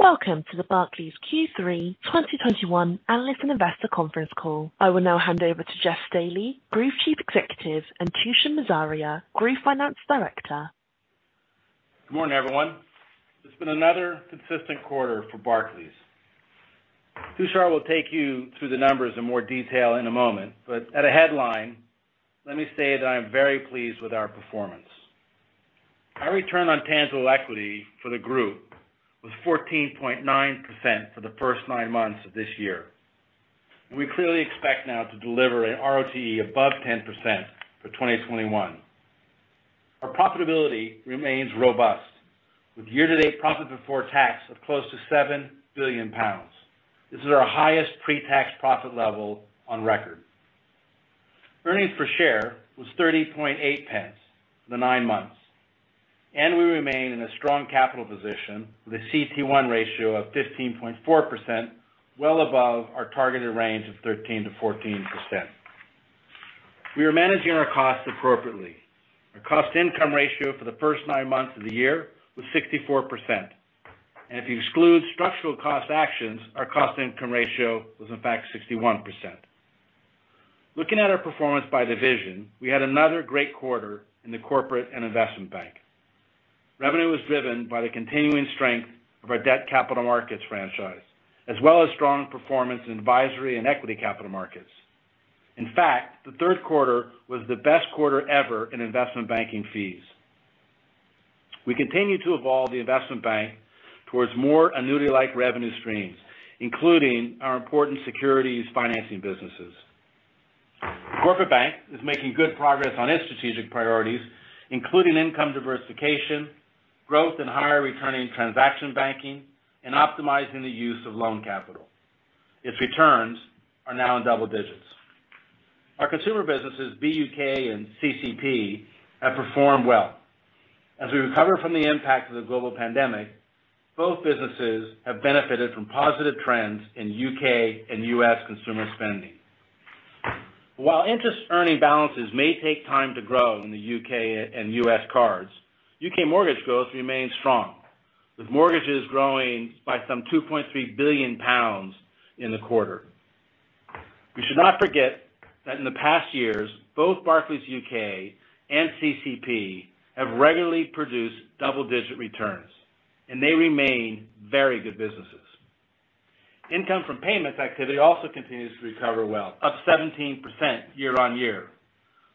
Welcome to the Barclays Q3 2021 Analyst and Investor Conference Call. I will now hand over to Jes Staley, Group Chief Executive, and Tushar Morzaria, Group Finance Director. Good morning, everyone. It's been another consistent quarter for Barclays. Tushar will take you through the numbers in more detail in a moment, but at a headline, let me say that I am very pleased with our performance. Our return on tangible equity for the group was 14.9% for the first nine months of this year. We clearly expect now to deliver an ROTE above 10% for 2021. Our profitability remains robust, with year-to-date profit before tax of close to 7 billion pounds. This is our highest pre-tax profit level on record. Earnings per share was 0.308 for the nine months, and we remain in a strong capital position with a CET1 ratio of 15.4%, well above our targeted range of 13%-14%. We are managing our costs appropriately. Our cost income ratio for the first nine months of the year was 64%. If you exclude structural cost actions, our cost income ratio was in fact 61%. Looking at our performance by division, we had another great quarter in the Corporate and Investment Bank. Revenue was driven by the continuing strength of our debt capital markets franchise, as well as strong performance in advisory and equity capital markets. In fact, the third quarter was the best quarter ever in investment banking fees. We continue to evolve the investment bank towards more annuity-like revenue streams, including our important securities financing businesses. Corporate Bank is making good progress on its strategic priorities, including income diversification, growth, and higher returning transaction banking, and optimizing the use of loan capital. Its returns are now in double digits. Our consumer businesses, BUK and CC&P, have performed well. As we recover from the impact of the global pandemic, both businesses have benefited from positive trends in U.K. and U.S. consumer spending. While interest earning balances may take time to grow in the U.K. and U.S. cards, U.K. mortgage growth remains strong, with mortgages growing by some 2.3 billion pounds in the quarter. We should not forget that in the past years, both Barclays U.K. and CC&P have regularly produced double-digit returns, and they remain very good businesses. Income from payments activity also continues to recover well, up 17% year-on-year.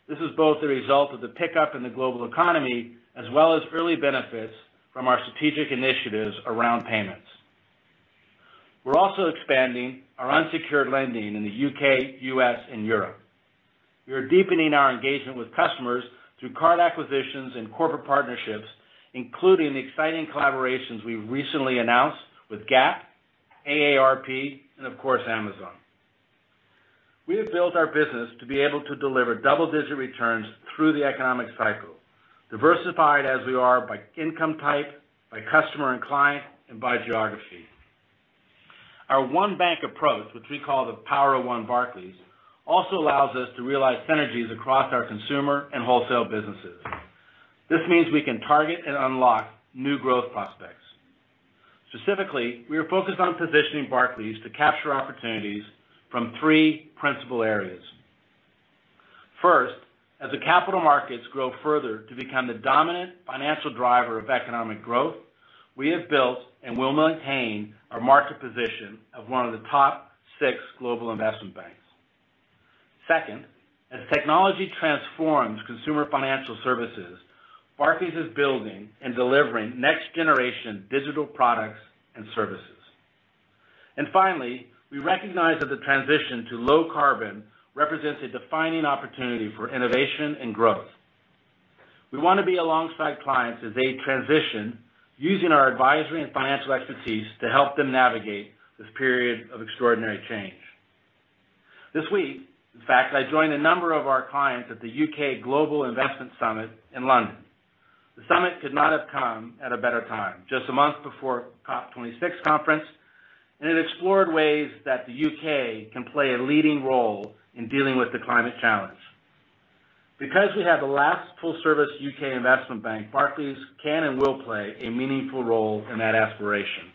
This is both the result of the pickup in the global economy, as well as early benefits from our strategic initiatives around payments. We're also expanding our unsecured lending in the U.K., U.S., and Europe. We are deepening our engagement with customers through card acquisitions and corporate partnerships, including the exciting collaborations we recently announced with Gap, AARP, and of course, Amazon. We have built our business to be able to deliver double-digit returns through the economic cycle, diversified as we are by income type, by customer and client, and by geography. Our one bank approach, which we call the Power of One Barclays, also allows us to realize synergies across our consumer and wholesale businesses. This means we can target and unlock new growth prospects. Specifically, we are focused on positioning Barclays to capture opportunities from three principal areas. First, as the capital markets grow further to become the dominant financial driver of economic growth, we have built and will maintain our market position of one of the top six global investment banks. Second, as technology transforms consumer financial services, Barclays is building and delivering next-generation digital products and services. Finally, we recognize that the transition to low carbon represents a defining opportunity for innovation and growth. We want to be alongside clients as they transition, using our advisory and financial expertise to help them navigate this period of extraordinary change. This week, in fact, I joined a number of our clients at the U.K. Global Investment Summit in London. The summit could not have come at a better time, just a month before COP26 conference, and it explored ways that the U.K. can play a leading role in dealing with the climate challenge. We have the last full-service U.K. investment bank, Barclays can and will play a meaningful role in that aspiration.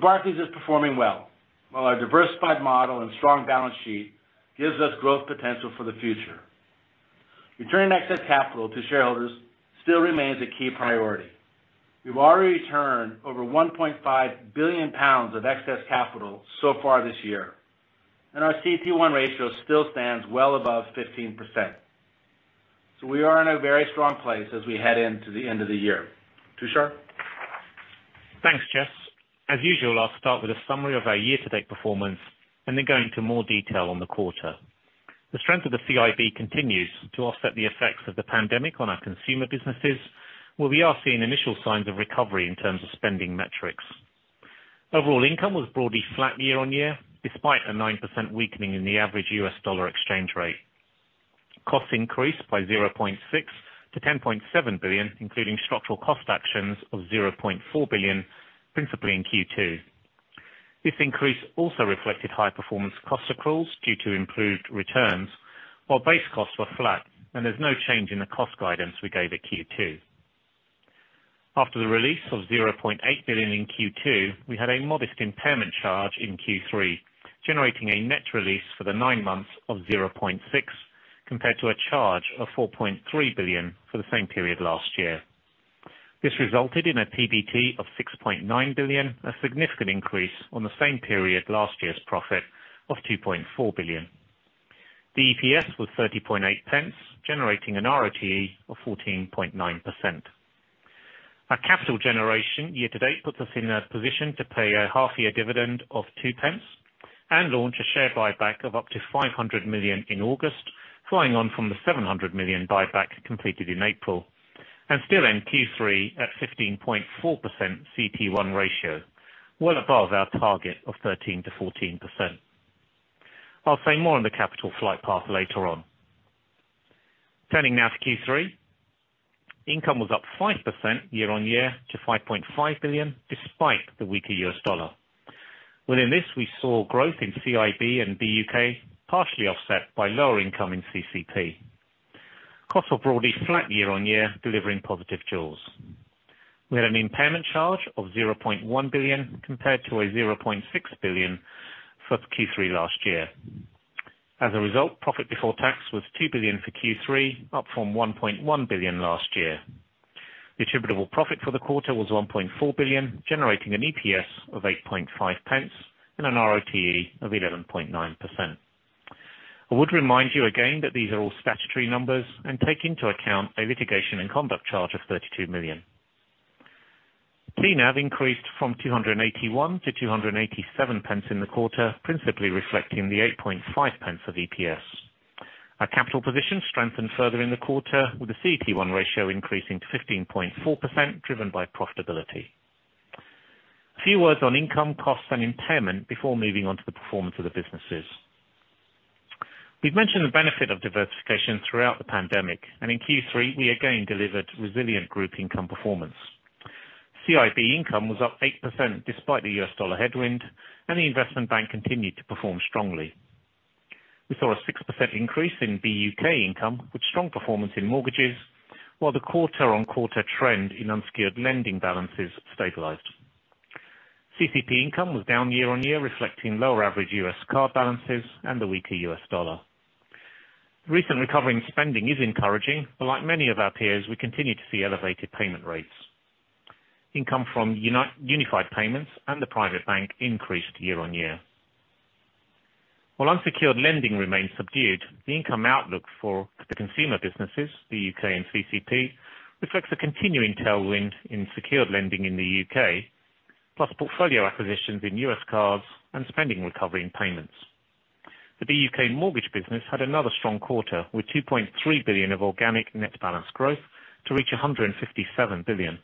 Barclays is performing well, while our diversified model and strong balance sheet gives us growth potential for the future. Returning excess capital to shareholders still remains a key priority. We've already returned over 1.5 billion pounds of excess capital so far this year, and our CET1 ratio still stands well above 15%. We are in a very strong place as we head into the end of the year. Tushar? Thanks, Jes. As usual, I'll start with a summary of our year-to-date performance and then go into more detail on the quarter. The strength of the CIB continues to offset the effects of the pandemic on our consumer businesses, where we are seeing initial signs of recovery in terms of spending metrics. Overall income was broadly flat year-on-year, despite a 9% weakening in the average U.S. dollar exchange rate. Costs increased by 0.6 billion-10.7 billion, including structural cost actions of 0.4 billion, principally in Q2. This increase also reflected high performance cost accruals due to improved returns, while base costs were flat. There's no change in the cost guidance we gave at Q2. After the release of 0.8 billion in Q2, we had a modest impairment charge in Q3, generating a net release for the nine months of 0.6, compared to a charge of 4.3 billion for the same period last year. This resulted in a PBT of 6.9 billion, a significant increase on the same period last year's profit of 2.4 billion. The EPS was 0.308, generating an ROTE of 14.9%. Our capital generation year to date puts us in a position to pay a half year dividend of 0.02, and launch a share buyback of up to 500 million in August, following on from the 700 million buyback completed in April, and still end Q3 at 15.4% CET1 ratio, well above our target of 13%-14%. I'll say more on the capital flight path later on. Turning now to Q3. Income was up 5% year-on-year to 5.5 billion, despite the weaker US dollar. Within this, we saw growth in CIB and BUK partially offset by lower income in CCP. Costs were broadly flat year-on-year, delivering positive jaws. We had an impairment charge of 0.1 billion compared to a 0.6 billion for Q3 last year. As a result, profit before tax was 2 billion for Q3, up from 1.1 billion last year. Distributable profit for the quarter was 1.4 billion, generating an EPS of 0.085 and an ROTE of 11.9%. I would remind you again that these are all statutory numbers and take into account a litigation and conduct charge of 32 million. NAV increased from 2.81 to 2.87 in the quarter, principally reflecting the 0.085 of EPS. Our capital position strengthened further in the quarter, with the CET1 ratio increasing to 15.4%, driven by profitability. A few words on income costs and impairment before moving on to the performance of the businesses. We've mentioned the benefit of diversification throughout the pandemic, and in Q3, we again delivered resilient group income performance. CIB income was up 8% despite the U.S. dollar headwind, and the investment bank continued to perform strongly. We saw a 6% increase in BUK income, with strong performance in mortgages, while the quarter-on-quarter trend in unsecured lending balances stabilized. CC&P income was down year-on-year, reflecting lower average U.S. card balances and the weaker U.S. dollar. Recent recovery in spending is encouraging, but like many of our peers, we continue to see elevated payment rates. Income from Unified Payments and the Private Bank increased year-on-year. While unsecured lending remains subdued, the income outlook for the consumer businesses, the U.K., and CC&P, reflects a continuing tailwind in secured lending in the U.K., plus portfolio acquisitions in U.S. cards and spending recovery and payments. The BUK mortgage business had another strong quarter, with GBP 2.3 billion of organic net balance growth to reach GBP 157 billion.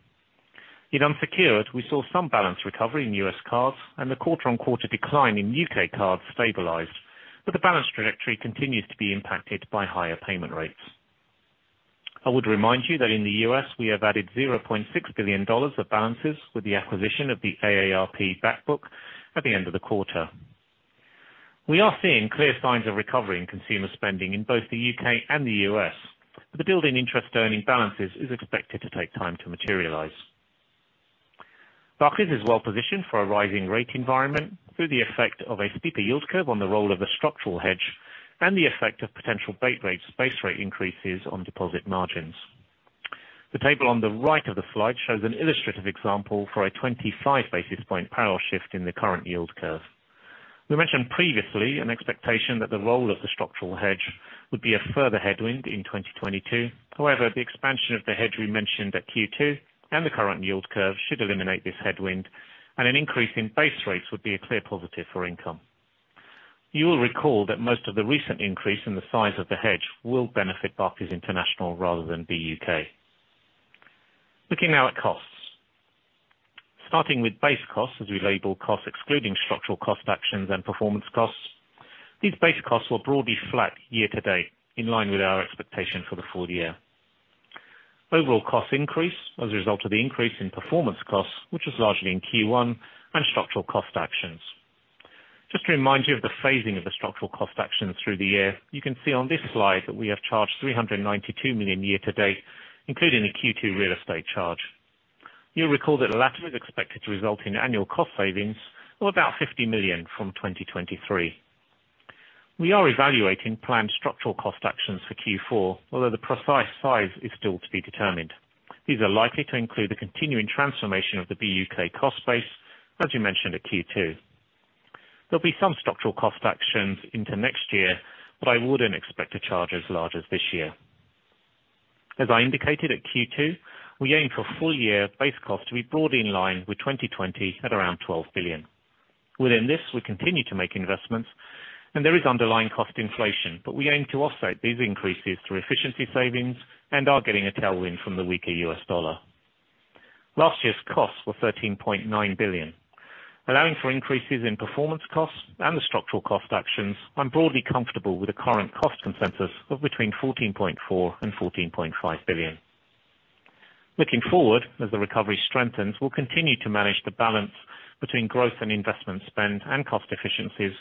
In unsecured, we saw some balance recovery in U.S. cards, and the quarter-on-quarter decline in U.K. cards stabilized, but the balance trajectory continues to be impacted by higher payment rates. I would remind you that in the U.S., we have added $0.6 billion of balances with the acquisition of the AARP back book at the end of the quarter. We are seeing clear signs of recovery in consumer spending in both the U.K. and the U.S., but the build in interest earning balances is expected to take time to materialize. Barclays is well positioned for a rising rate environment through the effect of a steeper yield curve on the role of a structural hedge, and the effect of potential base rate increases on deposit margins. The table on the right of the slide shows an illustrative example for a 25 basis point parallel shift in the current yield curve. We mentioned previously an expectation that the role of the structural hedge would be a further headwind in 2022. However, the expansion of the hedge we mentioned at Q2 and the current yield curve should eliminate this headwind, and an increase in base rates would be a clear positive for income. You will recall that most of the recent increase in the size of the hedge will benefit Barclays International rather than BUK. Looking now at costs. Starting with base costs, as we label costs excluding structural cost actions and performance costs, these base costs were broadly flat year to date, in line with our expectation for the full year. Overall cost increase as a result of the increase in performance costs, which was largely in Q1, and structural cost actions. Just to remind you of the phasing of the structural cost actions through the year, you can see on this slide that we have charged 392 million year to date, including the Q2 real estate charge. You'll recall that the latter is expected to result in annual cost savings of about 50 million from 2023. We are evaluating planned structural cost actions for Q4, although the precise size is still to be determined. These are likely to include the continuing transformation of the BUK cost base, as we mentioned at Q2. There'll be some structural cost actions into next year, but I wouldn't expect a charge as large as this year. As I indicated at Q2, we aim for full year base cost to be broadly in line with 2020 at around 12 billion. Within this, we continue to make investments, and there is underlying cost inflation, but we aim to offset these increases through efficiency savings and are getting a tailwind from the weaker U.S. dollar. Last year's costs were GBP 13.9 billion. Allowing for increases in performance costs and the structural cost actions, I'm broadly comfortable with the current cost consensus of between 14.4 billion and 14.5 billion. Looking forward, as the recovery strengthens, we'll continue to manage the balance between growth and investment spend and cost efficiencies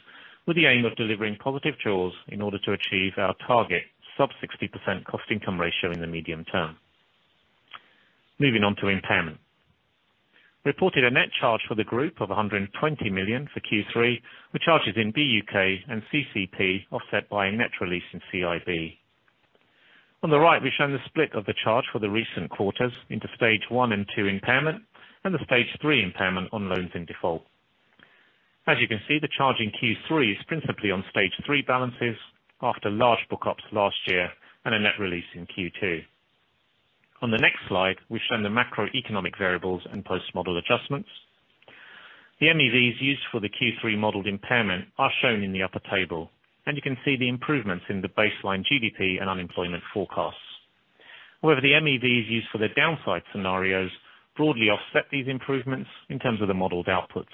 with the aim of delivering positive jaws in order to achieve our target sub 60% cost income ratio in the medium term. Moving on to impairment. Reported a net charge for the group of 120 million for Q3, with charges in BUK and CC&P offset by a net release in CIB. On the right, we've shown the split of the charge for the recent quarters into stage 1 and 2 impairment and the stage 3 impairment on loans in default. As you can see, the charge in Q3 is principally on stage 3 balances after large book ups last year and a net release in Q2. On the next slide, we've shown the macroeconomic variables and post-model adjustments. The MEVs used for the Q3 modeled impairment are shown in the upper table, and you can see the improvements in the baseline GDP and unemployment forecasts. However, the MEVs used for the downside scenarios broadly offset these improvements in terms of the modeled outputs.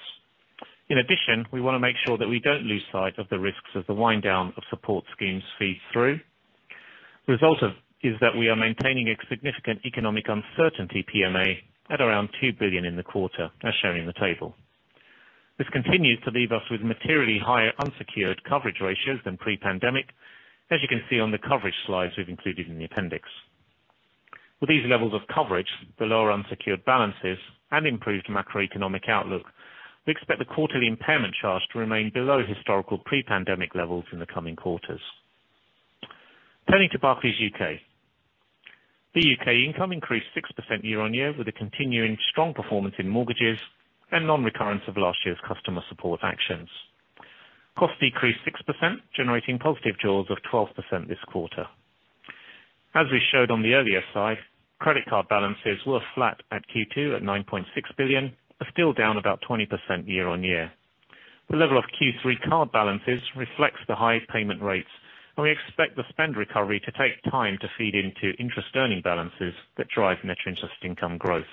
We want to make sure that we don't lose sight of the risks as the wind down of support schemes feed through. The result is that we are maintaining a significant economic uncertainty PMA at around 2 billion in the quarter as shown in the table. This continues to leave us with materially higher unsecured coverage ratios than pre-pandemic, as you can see on the coverage slides we've included in the appendix. With these levels of coverage, the lower unsecured balances, and improved macroeconomic outlook, we expect the quarterly impairment charge to remain below historical pre-pandemic levels in the coming quarters. Turning to Barclays UK. BUK income increased 6% year-on-year with a continuing strong performance in mortgages and non-recurrence of last year's customer support actions. Costs decreased 6%, generating positive jaws of 12% this quarter. As we showed on the earlier slide, credit card balances were flat at Q2 at 9.6 billion, but still down about 20% year-on-year. The level of Q3 card balances reflects the high payment rates. We expect the spend recovery to take time to feed into interest earning balances that drive net interest income growth.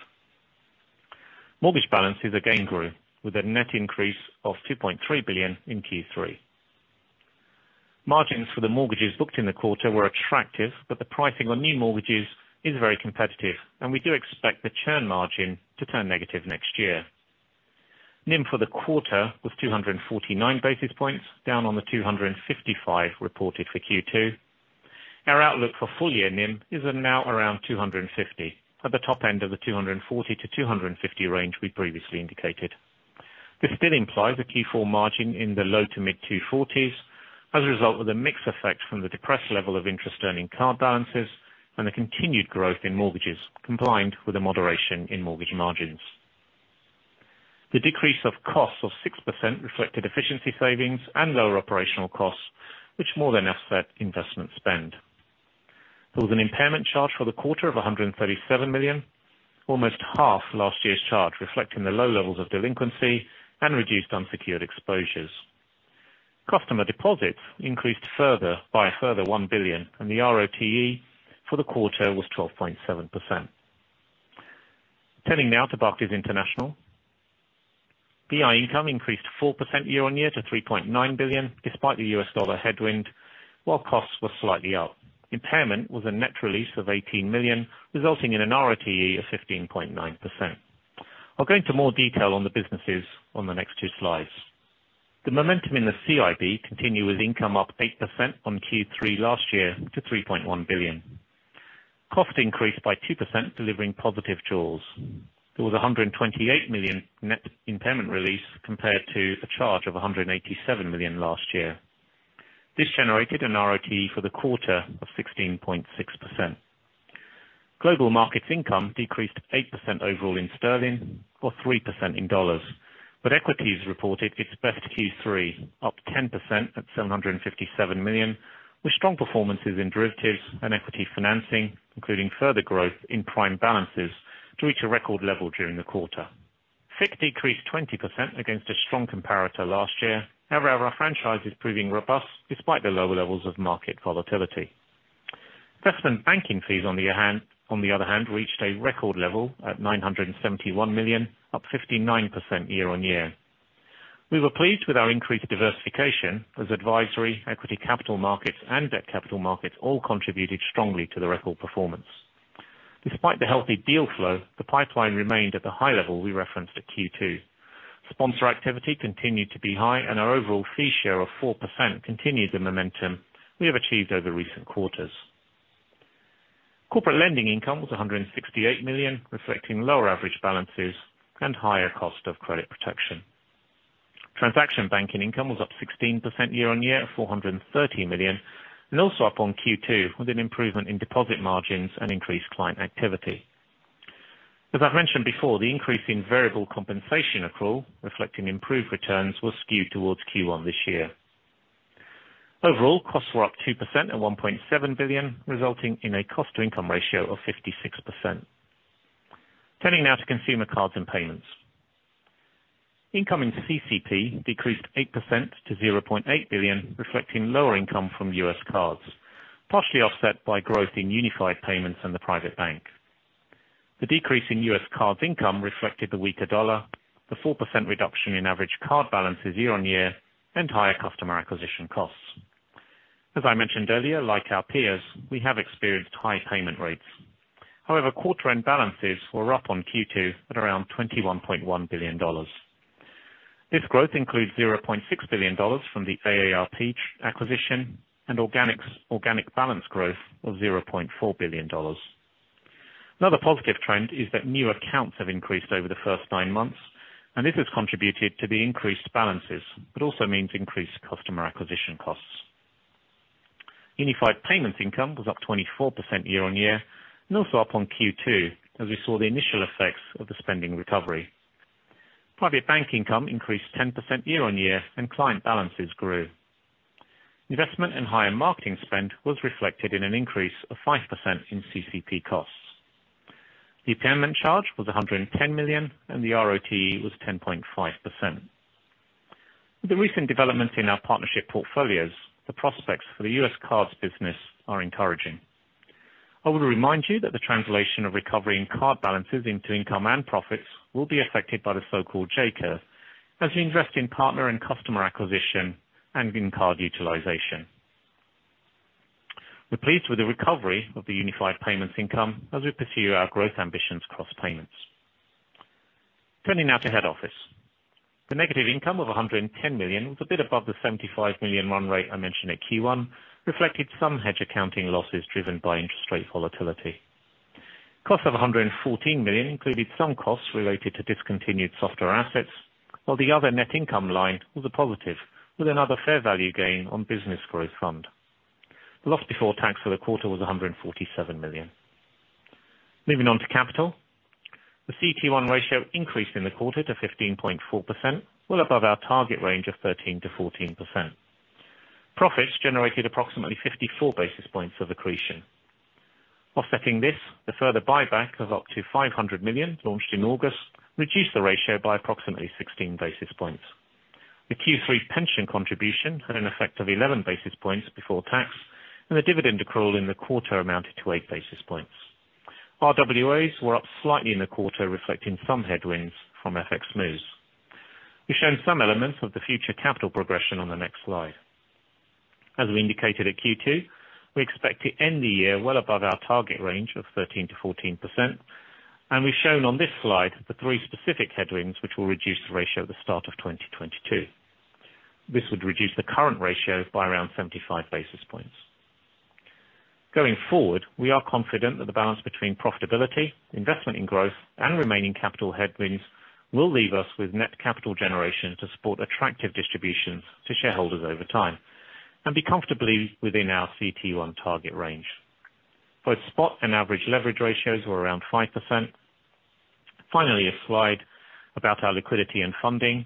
Mortgage balances again grew with a net increase of GBP 2.3 billion in Q3. Margins for the mortgages booked in the quarter were attractive, but the pricing on new mortgages is very competitive, and we do expect the churn margin to turn negative next year. NIM for the quarter was 249 basis points, down on the 255 reported for Q2. Our outlook for full year NIM is now around 250, at the top end of the 240-250 range we previously indicated. This still implies a Q4 margin in the low to mid-240s as a result of the mix effect from the depressed level of interest earning card balances and the continued growth in mortgages, combined with a moderation in mortgage margins. The decrease of costs of 6% reflected efficiency savings and lower operational costs, which more than offset investment spend. There was an impairment charge for the quarter of 137 million, almost half last year's charge, reflecting the low levels of delinquency and reduced unsecured exposures. Customer deposits increased further by a further 1 billion, and the ROTE for the quarter was 12.7%. Turning now to Barclays International. BI income increased 4% year on year to 3.9 billion, despite the U.S. dollar headwind, while costs were slightly up. Impairment was a net release of 18 million, resulting in an ROTE of 15.9%. I'll go into more detail on the businesses on the next two slides. The momentum in the CIB continued, with income up 8% on Q3 last year to 3.1 billion. Cost increased by 2%, delivering positive jaws. There was 128 million net impairment release compared to a charge of 187 million last year. This generated an ROTE for the quarter of 16.6%. Global markets income decreased 8% overall in GBP or 3% in USD. Equities reported its best Q3, up 10% at 757 million, with strong performances in derivatives and equity financing, including further growth in prime balances to reach a record level during the quarter. FICC decreased 20% against a strong comparator last year. However, our franchise is proving robust despite the lower levels of market volatility. Investment banking fees on the other hand, reached a record level at 971 million, up 59% year-on-year. We were pleased with our increased diversification as advisory, equity capital markets, and debt capital markets all contributed strongly to the record performance. Despite the healthy deal flow, the pipeline remained at the high level we referenced at Q2. Sponsor activity continued to be high, and our overall fee share of 4% continued the momentum we have achieved over recent quarters. Corporate lending income was 168 million, reflecting lower average balances and higher cost of credit protection. Transaction banking income was up 16% year-on-year at 430 million, and also up on Q2, with an improvement in deposit margins and increased client activity. As I've mentioned before, the increase in variable compensation accrual reflecting improved returns, was skewed towards Q1 this year. Overall, costs were up 2% at 1.7 billion, resulting in a cost to income ratio of 56%. Turning now to Consumer, Cards & Payments. Income in CCP decreased 8% to 0.8 billion, reflecting lower income from US cards, partially offset by growth in Unified Payments and the private bank. The decrease in US cards income reflected the weaker dollar, the 4% reduction in average card balances year-on-year, and higher customer acquisition costs. As I mentioned earlier, like our peers, we have experienced high payment rates. However, quarter-end balances were up on Q2 at around $21.1 billion. This growth includes $0.6 billion from the AARP acquisition and organic balance growth of $0.4 billion. Another positive trend is that new accounts have increased over the first 9 months, and this has contributed to the increased balances, but also means increased customer acquisition costs. Unified Payments income was up 24% year-on-year, and also up on Q2, as we saw the initial effects of the spending recovery. Private bank income increased 10% year-on-year and client balances grew. Investment in higher marketing spend was reflected in an increase of 5% in CC&P costs. The impairment charge was 110 million, and the ROTE was 10.5%. With the recent developments in our partnership portfolios, the prospects for the U.S. cards business are encouraging. I want to remind you that the translation of recovery in card balances into income and profits will be affected by the so-called J-curve, as we invest in partner and customer acquisition and in card utilization. We're pleased with the recovery of the Unified Payments income as we pursue our growth ambitions across payments. Turning now to head office. The negative income of 110 million was a bit above the 75 million run rate I mentioned at Q1, reflected some hedge accounting losses driven by interest rate volatility. Cost of 114 million included some costs related to discontinued software assets, while the other net income line was a positive with another fair value gain on Business Growth Fund. The loss before tax for the quarter was 147 million. Moving on to capital. The CET1 ratio increased in the quarter to 15.4%, well above our target range of 13%-14%. Profits generated approximately 54 basis points of accretion. Offsetting this, the further buyback of up to 500 million launched in August reduced the ratio by approximately 16 basis points. The Q3 pension contribution had an effect of 11 basis points before tax, and the dividend accrual in the quarter amounted to 8 basis points. RWAs were up slightly in the quarter, reflecting some headwinds from FX moves. We've shown some elements of the future capital progression on the next slide. As we indicated at Q2, we expect to end the year well above our target range of 13%-14%, and we've shown on this slide the three specific headwinds which will reduce the ratio at the start of 2022. This would reduce the current ratio by around 75 basis points. Going forward, we are confident that the balance between profitability, investment in growth, and remaining capital headwinds will leave us with net capital generation to support attractive distributions to shareholders over time and be comfortably within our CET1 target range. Both spot and average leverage ratios were around 5%. Finally, a slide about our liquidity and funding.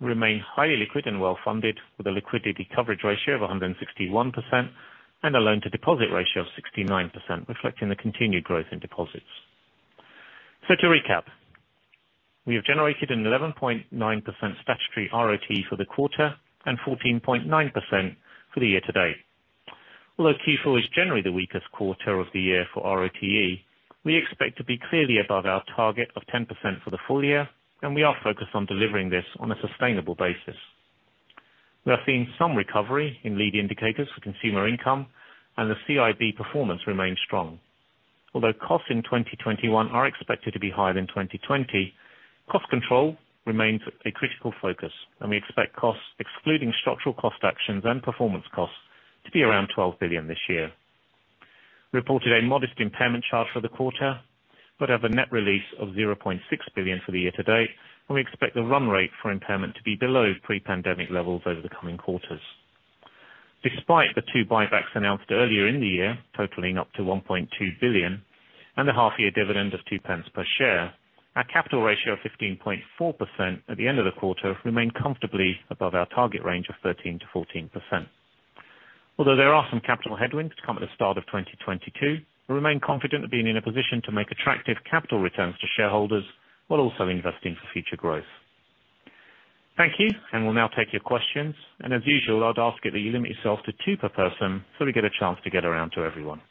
We remain highly liquid and well-funded with a liquidity coverage ratio of 161% and a loan-to-deposit ratio of 69%, reflecting the continued growth in deposits. To recap, we have generated an 11.9% statutory ROTE for the quarter and 14.9% for the year to date. Although Q4 is generally the weakest quarter of the year for ROTE, we expect to be clearly above our target of 10% for the full year, we are focused on delivering this on a sustainable basis. We are seeing some recovery in lead indicators for consumer income, the CIB performance remains strong. Although costs in 2021 are expected to be higher than 2020, cost control remains a critical focus, we expect costs excluding structural cost actions and performance costs to be around 12 billion this year. Reported a modest impairment charge for the quarter, have a net release of 0.6 billion for the year to date, we expect the run rate for impairment to be below pre-pandemic levels over the coming quarters. Despite the two buybacks announced earlier in the year, totaling up to 1.2 billion, and a half-year dividend of 0.02 per share, our capital ratio of 15.4% at the end of the quarter have remained comfortably above our target range of 13%-14%. There are some capital headwinds to come at the start of 2022, we remain confident of being in a position to make attractive capital returns to shareholders while also investing for future growth. Thank you. We'll now take your questions. As usual, I'd ask that you limit yourself to two per person so we get a chance to get around to everyone.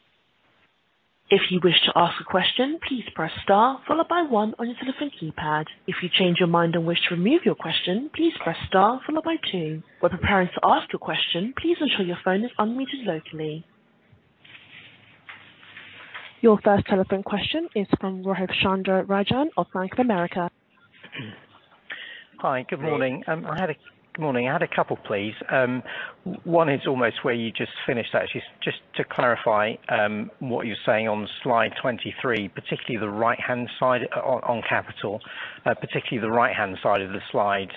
If you wish to ask a question, please press star followed by one on your telephone keypad. If you change your mind and wish to remove your question, please press star followed by two. When preparing to ask your question, please ensure your phone is unmuted locally. Your first telephone question is from Rohith Chandra-Rajan of Bank of America. Hi. Good morning. I had a couple, please. One is almost where you just finished, actually. Just to clarify what you're saying on slide 23, particularly the right-hand side on capital, particularly the right-hand side of the slide.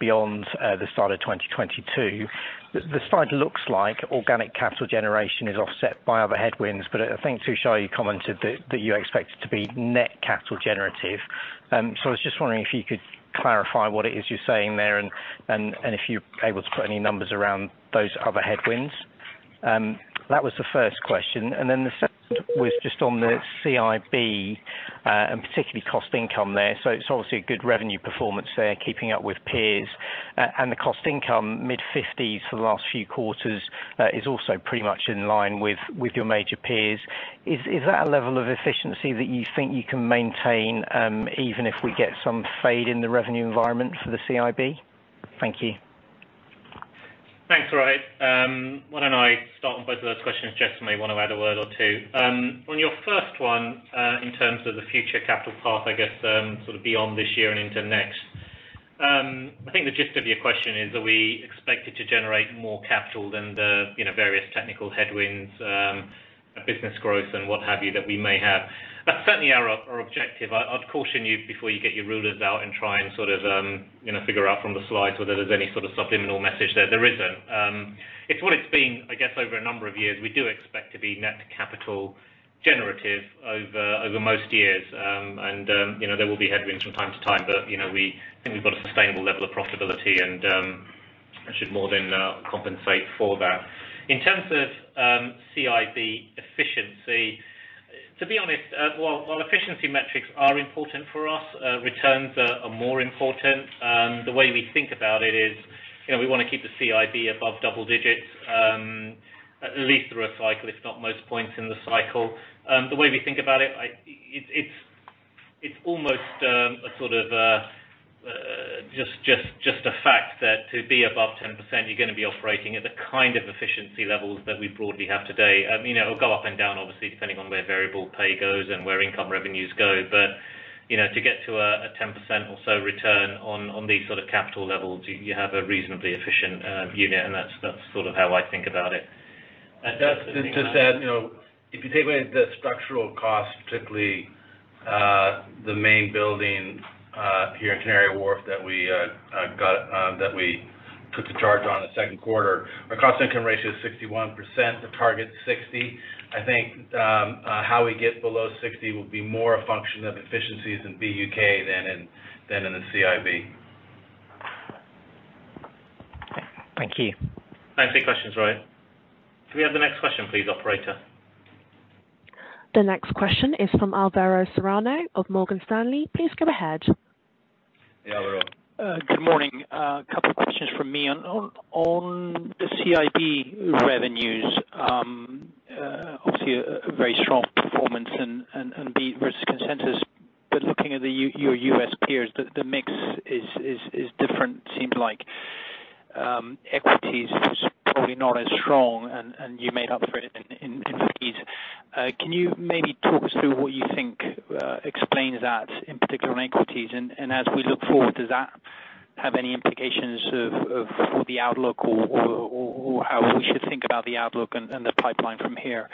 Beyond the start of 2022. The slide looks like organic capital generation is offset by other headwinds, but I think Tushar, you commented that you expect it to be net capital generative. I was just wondering if you could clarify what it is you're saying there and if you're able to put any numbers around those other headwinds. That was the first question. The second was just on the CIB, and particularly cost income there. It's obviously a good revenue performance there, keeping up with peers. The cost income mid-50s for the last few quarters, is also pretty much in line with your major peers. Is that a level of efficiency that you think you can maintain, even if we get some fade in the revenue environment for the CIB? Thank you. Thanks, Rohith. Why don't I start on both of those questions? Jes may want to add a word or two. On your first one, in terms of the future capital path, I guess sort of beyond this year and into next. I think the gist of your question is, are we expected to generate more capital than the various technical headwinds, business growth, and what have you, that we may have? That's certainly our objective. I'd caution you before you get your rulers out and try and figure out from the slides whether there's any sort of subliminal message there. There isn't. It's what it's been, I guess, over a number of years. We do expect to be net capital generative over most years. There will be headwinds from time to time, but we think we've got a sustainable level of profitability, and that should more than compensate for that. In terms of CIB efficiency, to be honest, while efficiency metrics are important for us, returns are more important. The way we think about it is we want to keep the CIB above double digits, at least through a cycle, if not most points in the cycle. The way we think about it's almost just a fact that to be above 10%, you're going to be operating at the kind of efficiency levels that we broadly have today. It'll go up and down, obviously, depending on where variable pay goes and where income revenues go. To get to a 10% or so return on these sort of capital levels, you have a reasonably efficient unit. That's how I think about it. Just to add, if you take away the structural costs, particularly the main building here in Canary Wharf that we took the charge on in the second quarter, our cost-income ratio is 61%. The target's 60%. I think how we get below 60% will be more a function of efficiencies in BUK than in the CIB. Thank you. Thanks for your questions, Rohith. Can we have the next question please, operator? The next question is from Alvaro Serrano of Morgan Stanley. Please go ahead. Yeah, Alvaro. Good morning. A couple questions from me. On the CIB revenues, obviously a very strong performance and beat versus consensus. Looking at your U.S. peers, the mix is different, it seems like. Equities was probably not as strong, you made up for it in fees. Can you maybe talk us through what you think explains that, in particular on equities? As we look forward, does that have any implications for the outlook or how we should think about the outlook and the pipeline from here?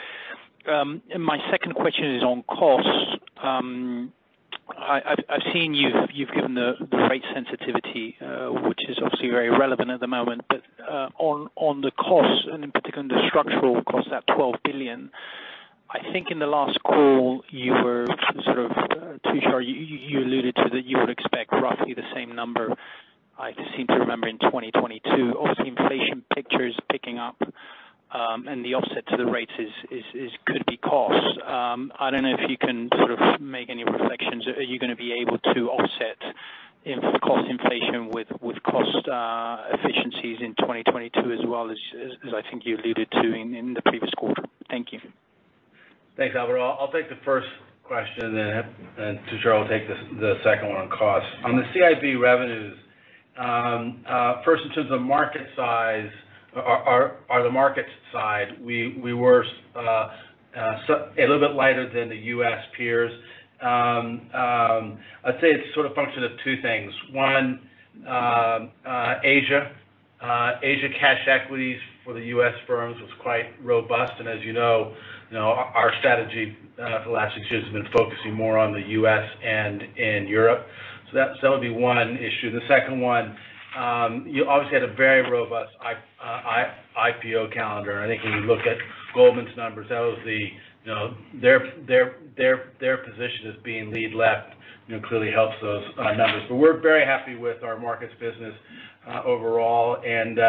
My second question is on costs. I've seen you've given the rate sensitivity, which is obviously very relevant at the moment. On the costs, and in particular on the structural costs, that 12 billion. I think in the last call you were sort of Tushar. You alluded to that you would expect roughly the same number, I seem to remember, in 2022. Inflation picture is picking up, and the offset to the rates could be costs. I don't know if you can sort of make any reflections. Are you going to be able to offset cost inflation with cost efficiencies in 2022 as well, as I think you alluded to in the previous quarter? Thank you. Thanks, Alvaro. I'll take the first question, Tushar will take the second one on costs. On the CIB revenues. In terms of market size, or the markets side, we were a little lighter than the U.S. peers. I'd say it's sort of a function of two things. One, Asia. Asia cash equities for the U.S. firms was quite robust. As you know, our strategy for the last six years has been focusing more on the U.S. and in Europe. That would be one issue. The second one, you obviously had a very robust IPO calendar. I think when you look at Goldman's numbers, their position as being lead left clearly helps those numbers. We're very happy with our markets business overall, and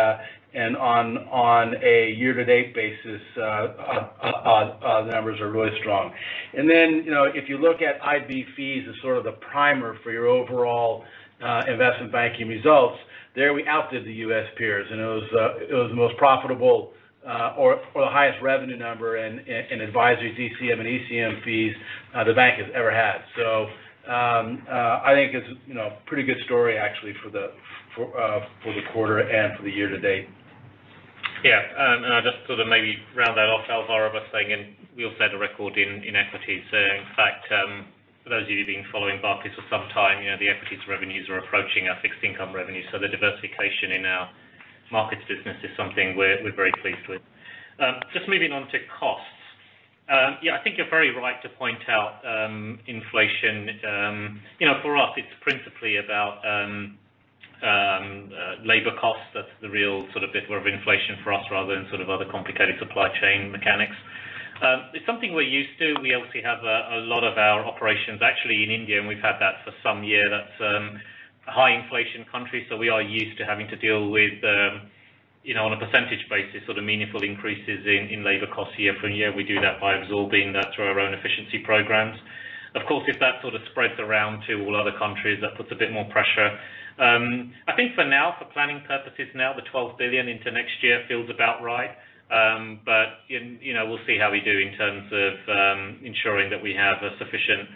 on a year-to-date basis, the numbers are really strong. If you look at IB fees as sort of the primer for your overall investment banking results, there we outdid the U.S. peers, and it was the most profitable, or the highest revenue number in advisory DCM and ECM fees the bank has ever had. I think it's a pretty good story, actually, for the quarter and for the year to date. I'll just sort of maybe round that off, Alvaro, by saying we also had a record in equities. In fact, for those of you who've been following Barclays for some time, the equities revenues are approaching our fixed income revenues. The diversification in our markets business is something we're very pleased with. Just moving on to costs. Yeah, I think you're very right to point out inflation. For us, it's principally about labor costs. That's the real sort of bit of inflation for us rather than sort of other complicated supply chain mechanics. It's something we're used to. We obviously have a lot of our operations actually in India, and we've had that for some year. That's a high inflation country, we are used to having to deal with, on a percentage basis, sort of meaningful increases in labor costs year from year. We do that by absorbing that through our own efficiency programs. If that sort of spreads around to all other countries, that puts a bit more pressure. I think for now, for planning purposes now, the 12 billion into next year feels about right. We'll see how we do in terms of ensuring that we have sufficient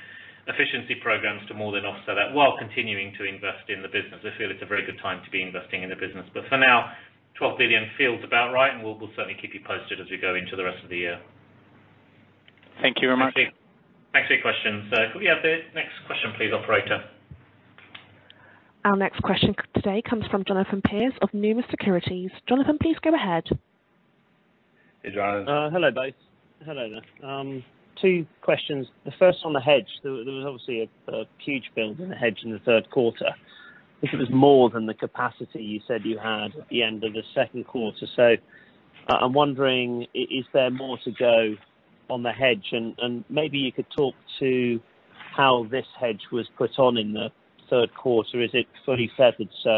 efficiency programs to more than offset that while continuing to invest in the business. I feel it's a very good time to be investing in the business. For now, 12 billion feels about right, and we'll certainly keep you posted as we go into the rest of the year. Thank you very much. Thanks for your question. Could we have the next question please, operator? Our next question today comes from Jonathan Pierce of Numis Securities. Jonathan, please go ahead. Hey, Jonathan. Hello, guys. Hello there. Two questions. The first on the hedge. There was obviously a huge build in the hedge in the third quarter. I think it was more than the capacity you said you had at the end of the second quarter. I'm wondering, is there more to go on the hedge? Maybe you could talk to how this hedge was put on in the third quarter. Is it fully feathered, so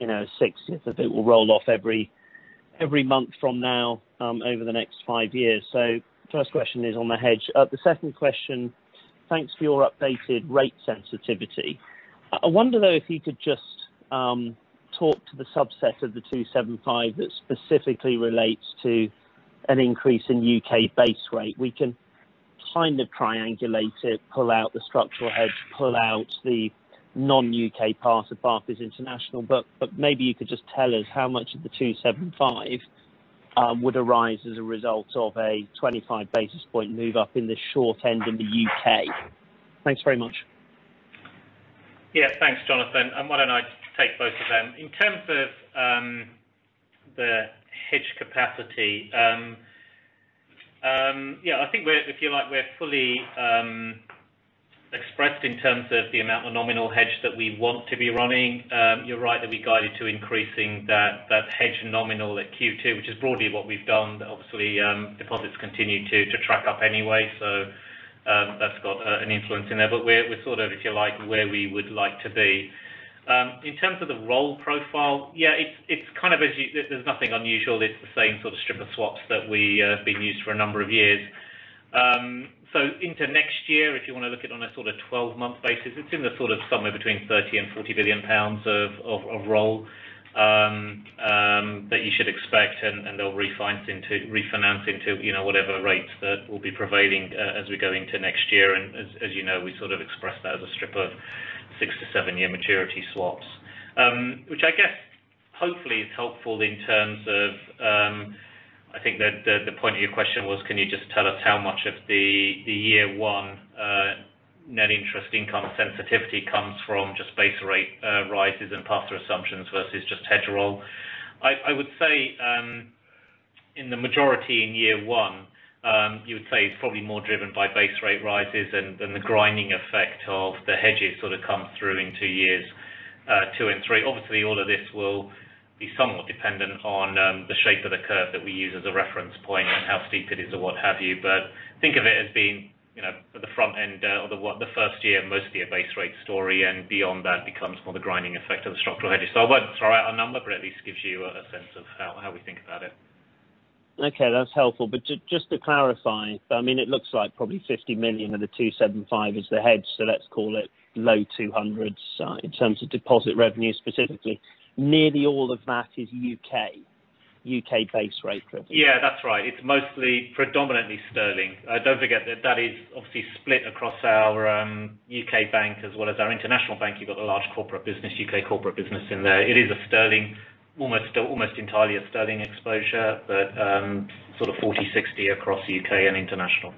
60th will roll off every month from now over the next five years? First question is on the hedge. The second question, thanks for your updated rate sensitivity. I wonder, though, if you could just talk to the subset of the 275 that specifically relates to an increase in U.K. base rate. We can kind of triangulate it, pull out the structural hedge, pull out the non-U.K. part of Barclays International. Maybe you could just tell us how much of the 275 would arise as a result of a 25 basis point move up in the short end in the U.K. Thanks very much. Yeah. Thanks, Jonathan. Why don't I take both of them? In terms of the hedge capacity, I think we're fully expressed in terms of the amount of nominal hedge that we want to be running. You're right that we guided to increasing that hedge nominal at Q2, which is broadly what we've done. Obviously, deposits continue to track up anyway, that's got an influence in there. We're sort of where we would like to be. In terms of the role profile, there's nothing unusual. It's the same sort of strip of swaps that we have been used for a number of years. Into next year, if you want to look at it on a sort of 12-month basis, it's in the sort of somewhere between 30 billion and 40 billion pounds of roll that you should expect, and they'll refinance into whatever rates that will be prevailing as we go into next year. As you know, we sort of expressed that as a strip of six to seven-year maturity swaps. I guess, hopefully is helpful in terms of I think the point of your question was, can you just tell us how much of the year one net interest income sensitivity comes from just base rate rises and pass-through assumptions versus just hedge roll. I would say, in the majority in year one, you would say it's probably more driven by base rate rises and the grinding effect of the hedges sort of come through in years two and three. Obviously, all of this will be somewhat dependent on the shape of the curve that we use as a reference point and how steep it is or what have you. Think of it as being at the front end or the first year, mostly a base rate story, and beyond that becomes more the grinding effect of the structural hedges. I won't throw out a number, but at least it gives you a sense of how we think about it. Okay, that's helpful. Just to clarify, it looks like probably 50 million of the 275 is the hedge, so let's call it low 200s in terms of deposit revenue specifically. Nearly all of that is U.K. base rate driven. That's right. It's mostly predominantly sterling. Don't forget that is obviously split across our Barclays U.K. bank as well as our Barclays International bank. You've got a large corporate business, U.K. corporate business in there. It is almost entirely a sterling exposure, but sort of 40-60 across the U.K. and international.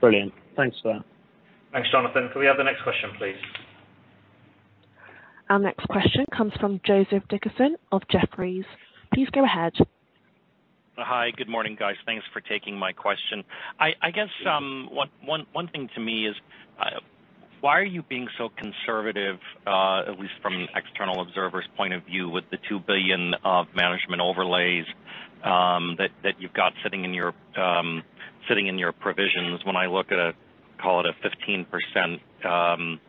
Brilliant. Thanks for that. Thanks, Jonathan. Could we have the next question, please? Our next question comes from Joseph Dickerson of Jefferies. Please go ahead. Hi. Good morning, guys. Thanks for taking my question. I guess one thing to me is why are you being so conservative, at least from an external observer's point of view, with the 2 billion of management overlays that you've got sitting in your provisions? When I look at, call it a 15%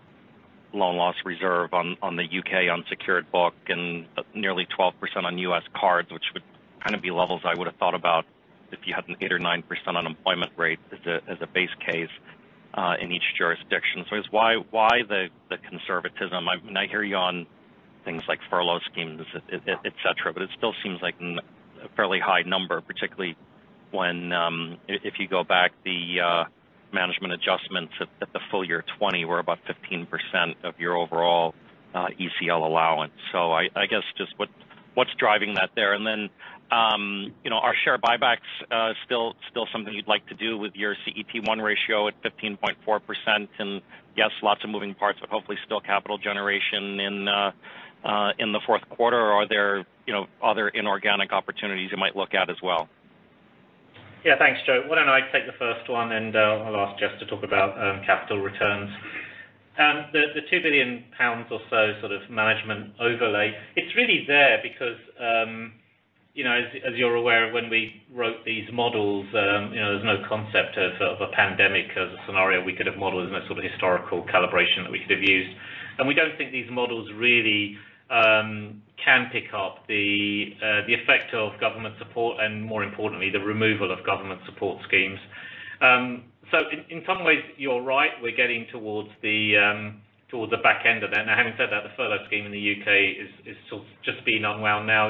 loan loss reserve on the U.K. unsecured book and nearly 12% on U.S. cards, which would kind of be levels I would have thought about if you had an 8% or 9% unemployment rate as a base case in each jurisdiction. I guess why the conservatism? I hear you on things like furlough schemes, et cetera, but it still seems like a fairly high number, particularly if you go back the management adjustments at the full year 2020 were about 15% of your overall ECL allowance. I guess just what's driving that there? Are share buybacks still something you'd like to do with your CET1 ratio at 15.4%? Yes, lots of moving parts, but hopefully still capital generation in the fourth quarter. Are there other inorganic opportunities you might look at as well? Yeah. Thanks, Joe. Why don't I take the first one, and I'll ask Jes to talk about capital returns. The 2 billion pounds or so sort of management overlay, it's really there because, as you're aware, when we wrote these models, there was no concept of a pandemic as a scenario we could have modeled. There's no sort of historical calibration that we could have used. We don't think these models really can pick up the effect of government support, and more importantly, the removal of government support schemes. In some ways, you're right, we're getting towards the back end of that. Having said that, the furlough scheme in the U.K. is sort of just being unwound now.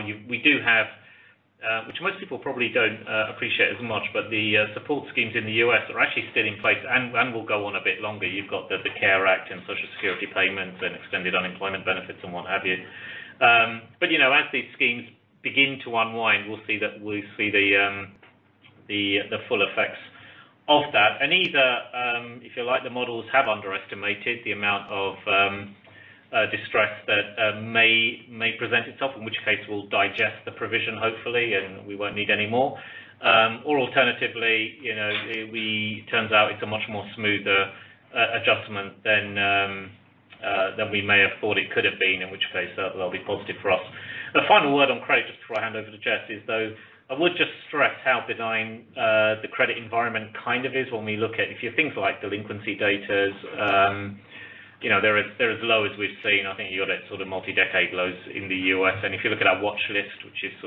Most people probably don't appreciate as much, the support schemes in the U.S. are actually still in place and will go on a bit longer. You've got the CARES Act and Social Security payments and extended unemployment benefits, and what have you. As these schemes begin to unwind, we'll see the full effects of that. Either, if you like, the models have underestimated the amount of distress that may present itself, in which case, we'll digest the provision, hopefully, and we won't need any more. Alternatively, it turns out it's a much more smoother adjustment than we may have thought it could have been, in which case, that'll be positive for us. The final word on credit, just before I hand over to Jes, is though, I would just stress how benign the credit environment kind of is when we look at a few things like delinquency data. They're as low as we've seen. I think you've got multi-decade lows in the U.S. If you look at our watchlist, which is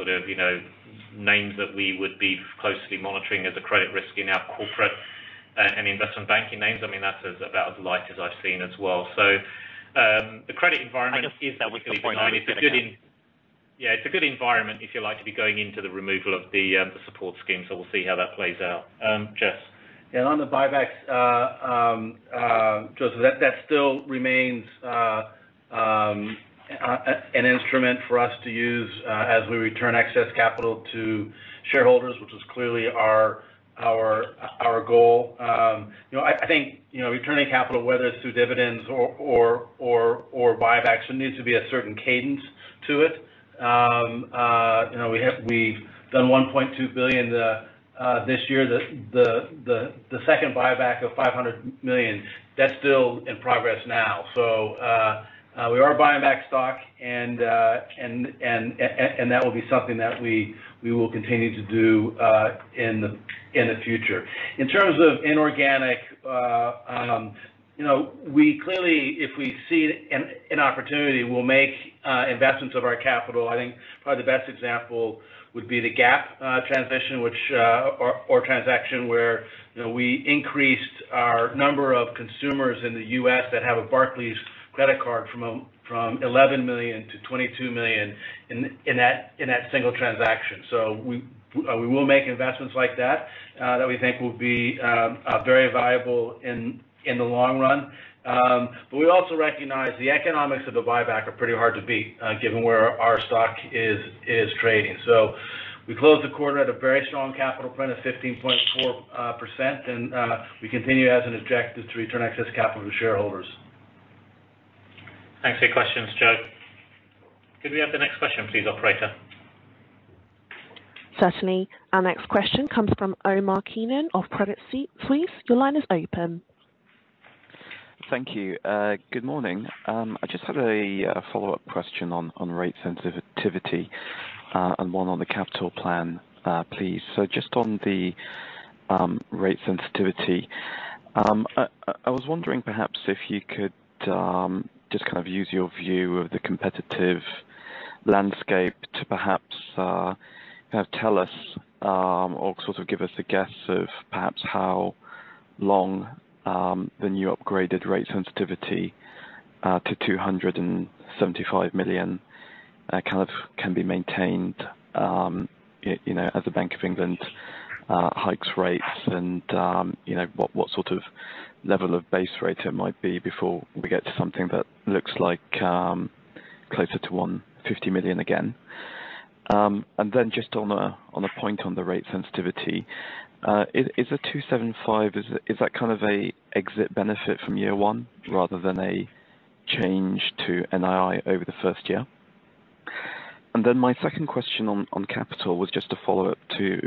names that we would be closely monitoring as a credit risk in our Corporate and Investment Banking names, that's about as light as I've seen as well. So, the credit part I guess that we could point out. Including, Yeah. It's a good environment, if you like, to be going into the removal of the support scheme, so we'll see how that plays out. Jes. Yeah, on the buybacks, Joseph, that still remains an instrument for us to use as we return excess capital to shareholders, which is clearly our goal. I think returning capital, whether it's through dividends or buybacks, there needs to be a certain cadence to it. We've done $1.2 billion this year. The second buyback of $500 million, that's still in progress now. We are buying back stock, and that will be something that we will continue to do in the future. In terms of inorganic, clearly, if we see an opportunity, we'll make investments of our capital. I think probably the best example would be the Gap transition or transaction where we increased our number of consumers in the U.S. that have a Barclays credit card from 11 million to 22 million in that single transaction. We will make investments like that we think will be very viable in the long run. We also recognize the economics of a buyback are pretty hard to beat, given where our stock is trading. We closed the quarter at a very strong capital print of 15.4%, and we continue as an objective to return excess capital to shareholders. Thanks for your questions, Joe. Could we have the next question please, operator? Certainly. Our next question comes from Omar Keenan of Credit Suisse. Please, your line is open. Thank you. Good morning. I just had a follow-up question on rate sensitivity, and one on the capital plan, please. Just on the rate sensitivity, I was wondering perhaps if you could just use your view of the competitive landscape to perhaps tell us or give us a guess of perhaps how long the new upgraded rate sensitivity to 275 million can be maintained as the Bank of England hikes rates, and what sort of level of base rate it might be before we get to something that looks closer to 150 million again. Just on a point on the rate sensitivity, is the 275 kind of an exit benefit from year one rather than a change to NII over the first year? My second question on capital was just a follow-up to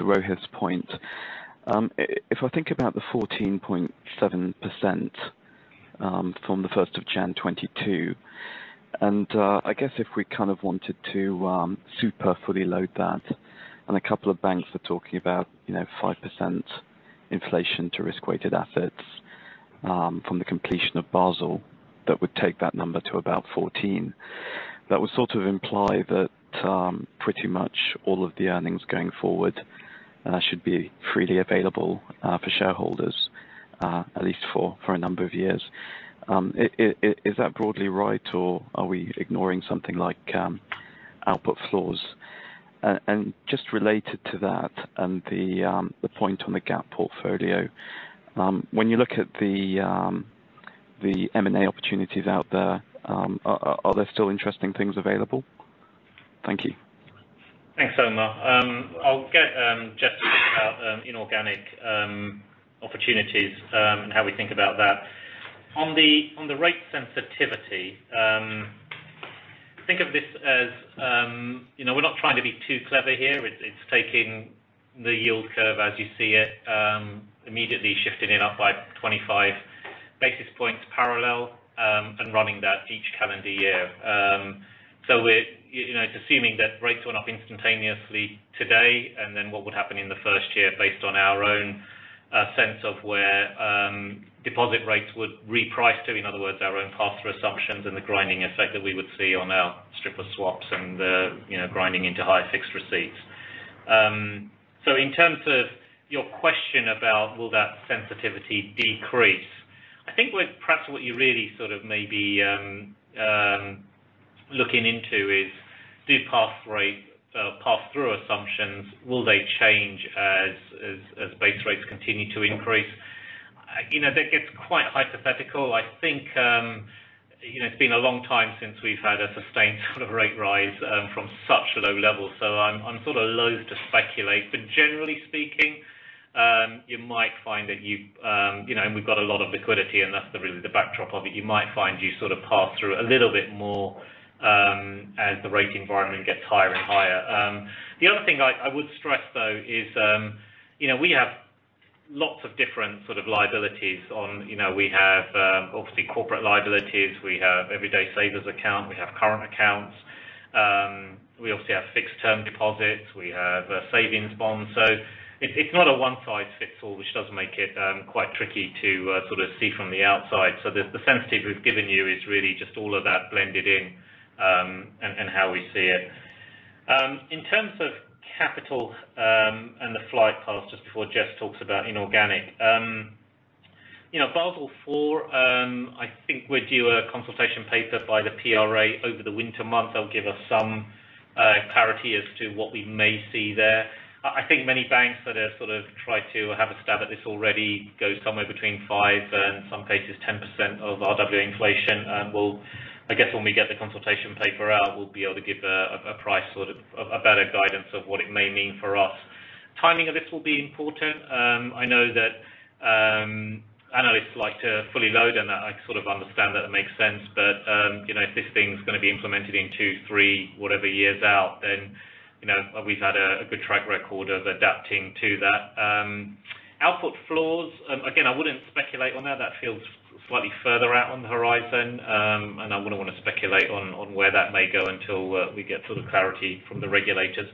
Rohith's point. If I think about the 14.7% from the 1st of January 2022. I guess if we wanted to super fully load that. A couple of banks were talking about 5% inflation to risk-weighted assets from the completion of Basel, that would take that number to about 14%. That would sort of imply that pretty much all of the earnings going forward, and that should be freely available for shareholders, at least for a number of years. Is that broadly right, or are we ignoring something like output floors? Just related to that and the point on the Gap portfolio, when you look at the M&A opportunities out there, are there still interesting things available? Thank you. Thanks, Omar. I'll get Jes to talk about inorganic opportunities and how we think about that. On the rate sensitivity, think of this as we're not trying to be too clever here. It's taking the yield curve as you see it, immediately shifting it up by 25 basis points parallel, and running that each calendar year. It's assuming that rates went up instantaneously today, and then what would happen in the first year based on our own sense of where deposit rates would reprice to. In other words, our own pass-through assumptions and the grinding effect that we would see on our strip of swaps and the grinding into higher fixed receipts. In terms of your question about will that sensitivity decrease, I think perhaps what you're really sort of maybe looking into is do pass-through assumptions, will they change as base rates continue to increase? That gets quite hypothetical. I think it's been a long time since we've had a sustained sort of rate rise from such low levels. I'm loathe to speculate. Generally speaking, you might find that we've got a lot of liquidity, and that's really the backdrop of it. You might find you sort of pass through a little bit more as the rate environment gets higher and higher. The other thing I would stress, though, is we have lots of different sort of liabilities. We have obviously corporate liabilities. We have everyday savers account. We have current accounts. We obviously have fixed term deposits. We have savings bonds. It's not a one size fits all, which does make it quite tricky to sort of see from the outside. The sensitivity we've given you is really just all of that blended in and how we see it. In terms of capital and the fly past, just before Jes talks about inorganic. Basel IV, I think we're due a consultation paper by the PRA over the winter months that will give us some clarity as to what we may see there. I think many banks that have sort of tried to have a stab at this already go somewhere between 5% and some cases 10% of RWA inflation. I guess when we get the consultation paper out, we'll be able to give a price, a better guidance of what it may mean for us. Timing of this will be important. I know that analysts like to fully load, and I sort of understand that it makes sense. If this thing's going to be implemented in two, three, whatever years out, then we've had a good track record of adapting to that. Output floors, again, I wouldn't speculate on that. That feels slightly further out on the horizon, and I wouldn't want to speculate on where that may go until we get sort of clarity from the regulators.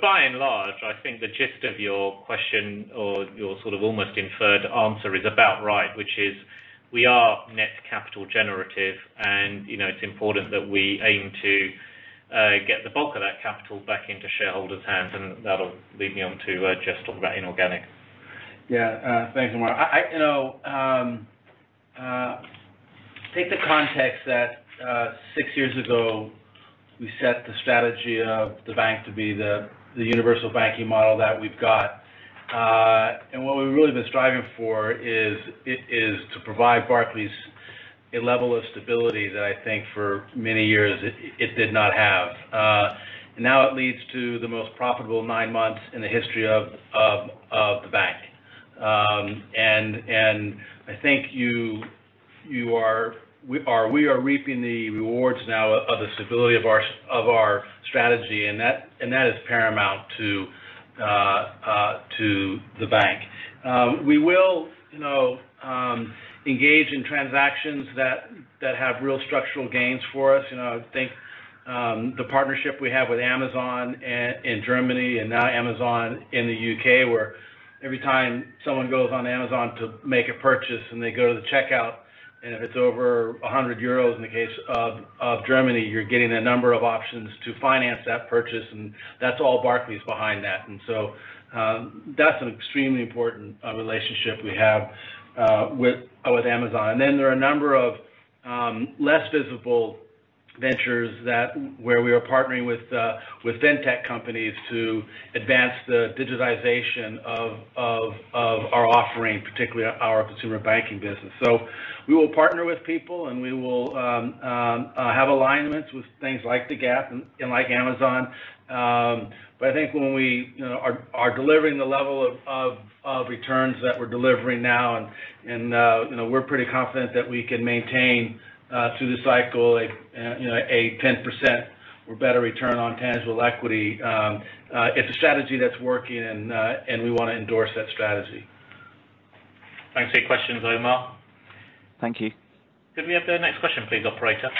By and large, I think the gist of your question or your sort of almost inferred answer is about right, which is we are net capital generative, and it's important that we aim to get the bulk of that capital back into shareholders' hands, and that'll lead me on to Jes talking about inorganic. Yeah. Thanks, Omar. Take the context that six years ago we set the strategy of the bank to be the universal banking model that we've got. What we've really been striving for is to provide Barclays a level of stability that I think for many years it did not have. Now it leads to the most profitable nine months in the history of the bank. I think we are reaping the rewards now of the stability of our strategy, and that is paramount to the bank. We will engage in transactions that have real structural gains for us. Think the partnership we have with Amazon in Germany and now Amazon in the U.K., where every time someone goes on Amazon to make a purchase, and they go to the checkout, and if it's over 100 euros, in the case of Germany, you're getting a number of options to finance that purchase, and that's all Barclays behind that. That's an extremely important relationship we have with Amazon. There are a number of less visible ventures where we are partnering with fintech companies to advance the digitization of our offering, particularly our consumer banking business. We will partner with people, and we will have alignments with things like the Gap and like Amazon. I think when we are delivering the level of returns that we're delivering now, and we're pretty confident that we can maintain through the cycle a 10% or better return on tangible equity. It's a strategy that's working, and we want to endorse that strategy. Thanks for your questions, Omar. Thank you. Could we have the next question please, operator?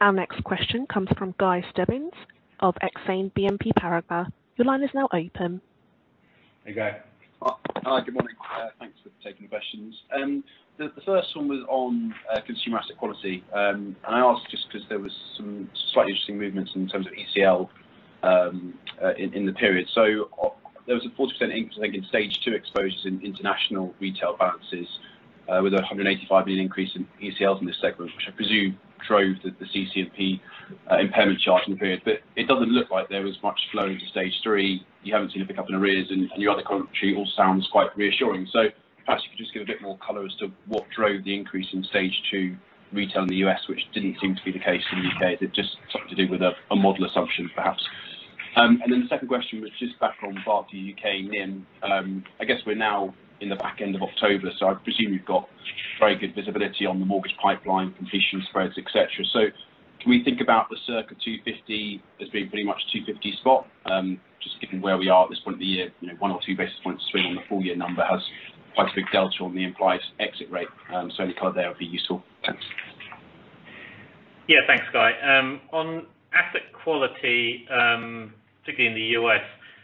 Our next question comes from Guy Stebbings of Exane BNP Paribas. Your line is now open. Hey, Guy. Hi, good morning. Thanks for taking the questions. The first one was on consumer asset quality. I ask just because there was some slightly interesting movements in terms of ECL in the period. There was a 40% increase in Stage 2 exposures in international retail balances with a 185 million increase in ECLs in this segment, which I presume drove the CC&P impairment charge in the period. It doesn't look like there was much flow into Stage 3. You haven't seen a pickup in arrears, and your other commentary all sounds quite reassuring. Perhaps you could just give a bit more color as to what drove the increase in Stage 2 retail in the U.S., which didn't seem to be the case in the U.K. Just something to do with a model assumption, perhaps. The second question was just back on Barclays UK NIM. I guess we're now in the back end of October, I presume you've got very good visibility on the mortgage pipeline, completion spreads, et cetera. Can we think about the circa 250 as being pretty much 250 spot? Just given where we are at this point of the year, 1 or 2 basis points swing on the full year number has quite a big delta on the implied exit rate. Any color there would be useful. Thanks. Yeah. Thanks, Guy. On asset quality, particularly in the U.S.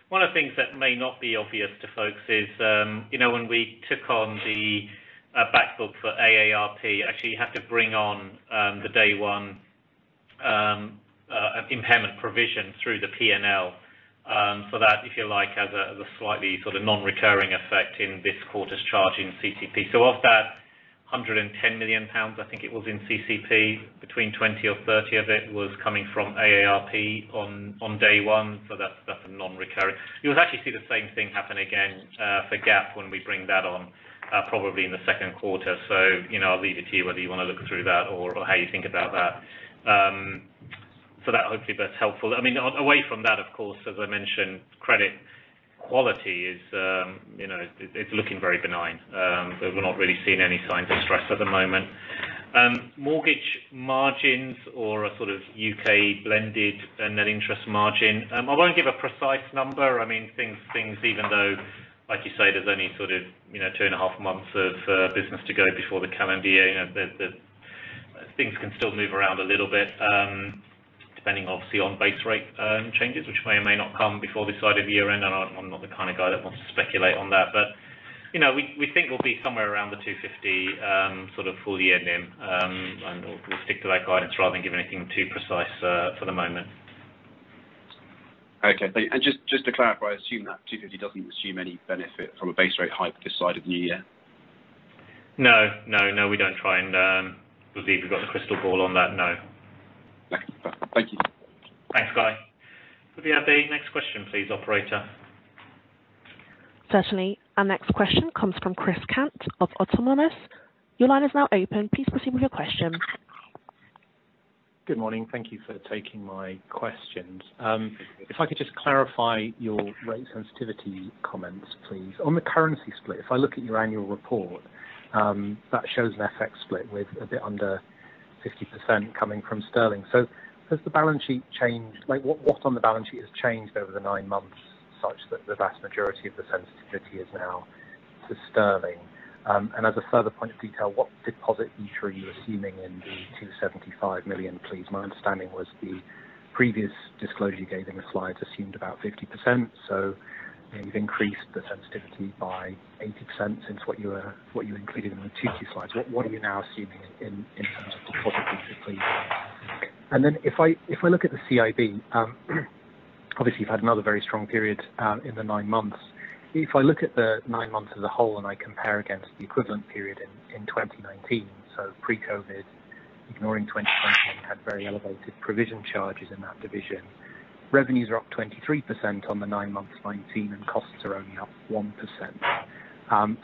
One of the things that may not be obvious to folks is when we took on the back book for AARP, actually, you had to bring on the day one impairment provision through the P&L for that, if you like, as a slightly non-recurring effect in this quarter's charge in CCP. Of that 110 million pounds, I think it was in CCP, between 20 or 30 of it was coming from AARP on day one, so that's a non-recurring. You would actually see the same thing happen again for Gap when we bring that on, probably in the second quarter. I'll leave it to you whether you want to look through that or how you think about that. That hopefully that's helpful. Away from that, of course, as I mentioned, credit quality is looking very benign. We're not really seeing any signs of stress at the moment. Mortgage margins or a sort of U.K. blended net interest margin. I won't give a precise number. Things, even though, like you say, there's only two and a half months of business to go before the calendar year end, things can still move around a little bit, depending obviously on base rate changes, which may or may not come before this side of the year end. I'm not the kind of guy that wants to speculate on that. We think we'll be somewhere around the 250 sort of full year NIM, we'll stick to that guidance rather than give anything too precise for the moment. Okay. Just to clarify, I assume that 250 doesn't assume any benefit from a base rate hike this side of the year end. No, we don't try and believe we've got a crystal ball on that, no. Okay. Thank you. Thanks, Guy. Could we have the next question please, operator? Certainly. Our next question comes from Chris Cant of Autonomous. Your line is now open. Please proceed with your question. Good morning. Thank you for taking my questions. If I could just clarify your rate sensitivity comments, please. On the currency split, if I look at your annual report, that shows an FX split with a bit under 50% coming from sterling. Has the balance sheet changed? What on the balance sheet has changed over the nine months such that the vast majority of the sensitivity is now to sterling? As a further point of detail, what deposit feature are you assuming in the 275 million, please? My understanding was the previous disclosure you gave in the slides assumed about 50%. You've increased the sensitivity by 80% since what you included in the Q2 slides. What are you now assuming in terms of deposit feature, please? If I look at the CIB, obviously you've had another very strong period in the nine months. If I look at the nine months as a whole, and I compare against the equivalent period in 2019, so pre-COVID, ignoring 2020 had very elevated provision charges in that division. Revenues are up 23% on the nine months 2019, and costs are only up 1%.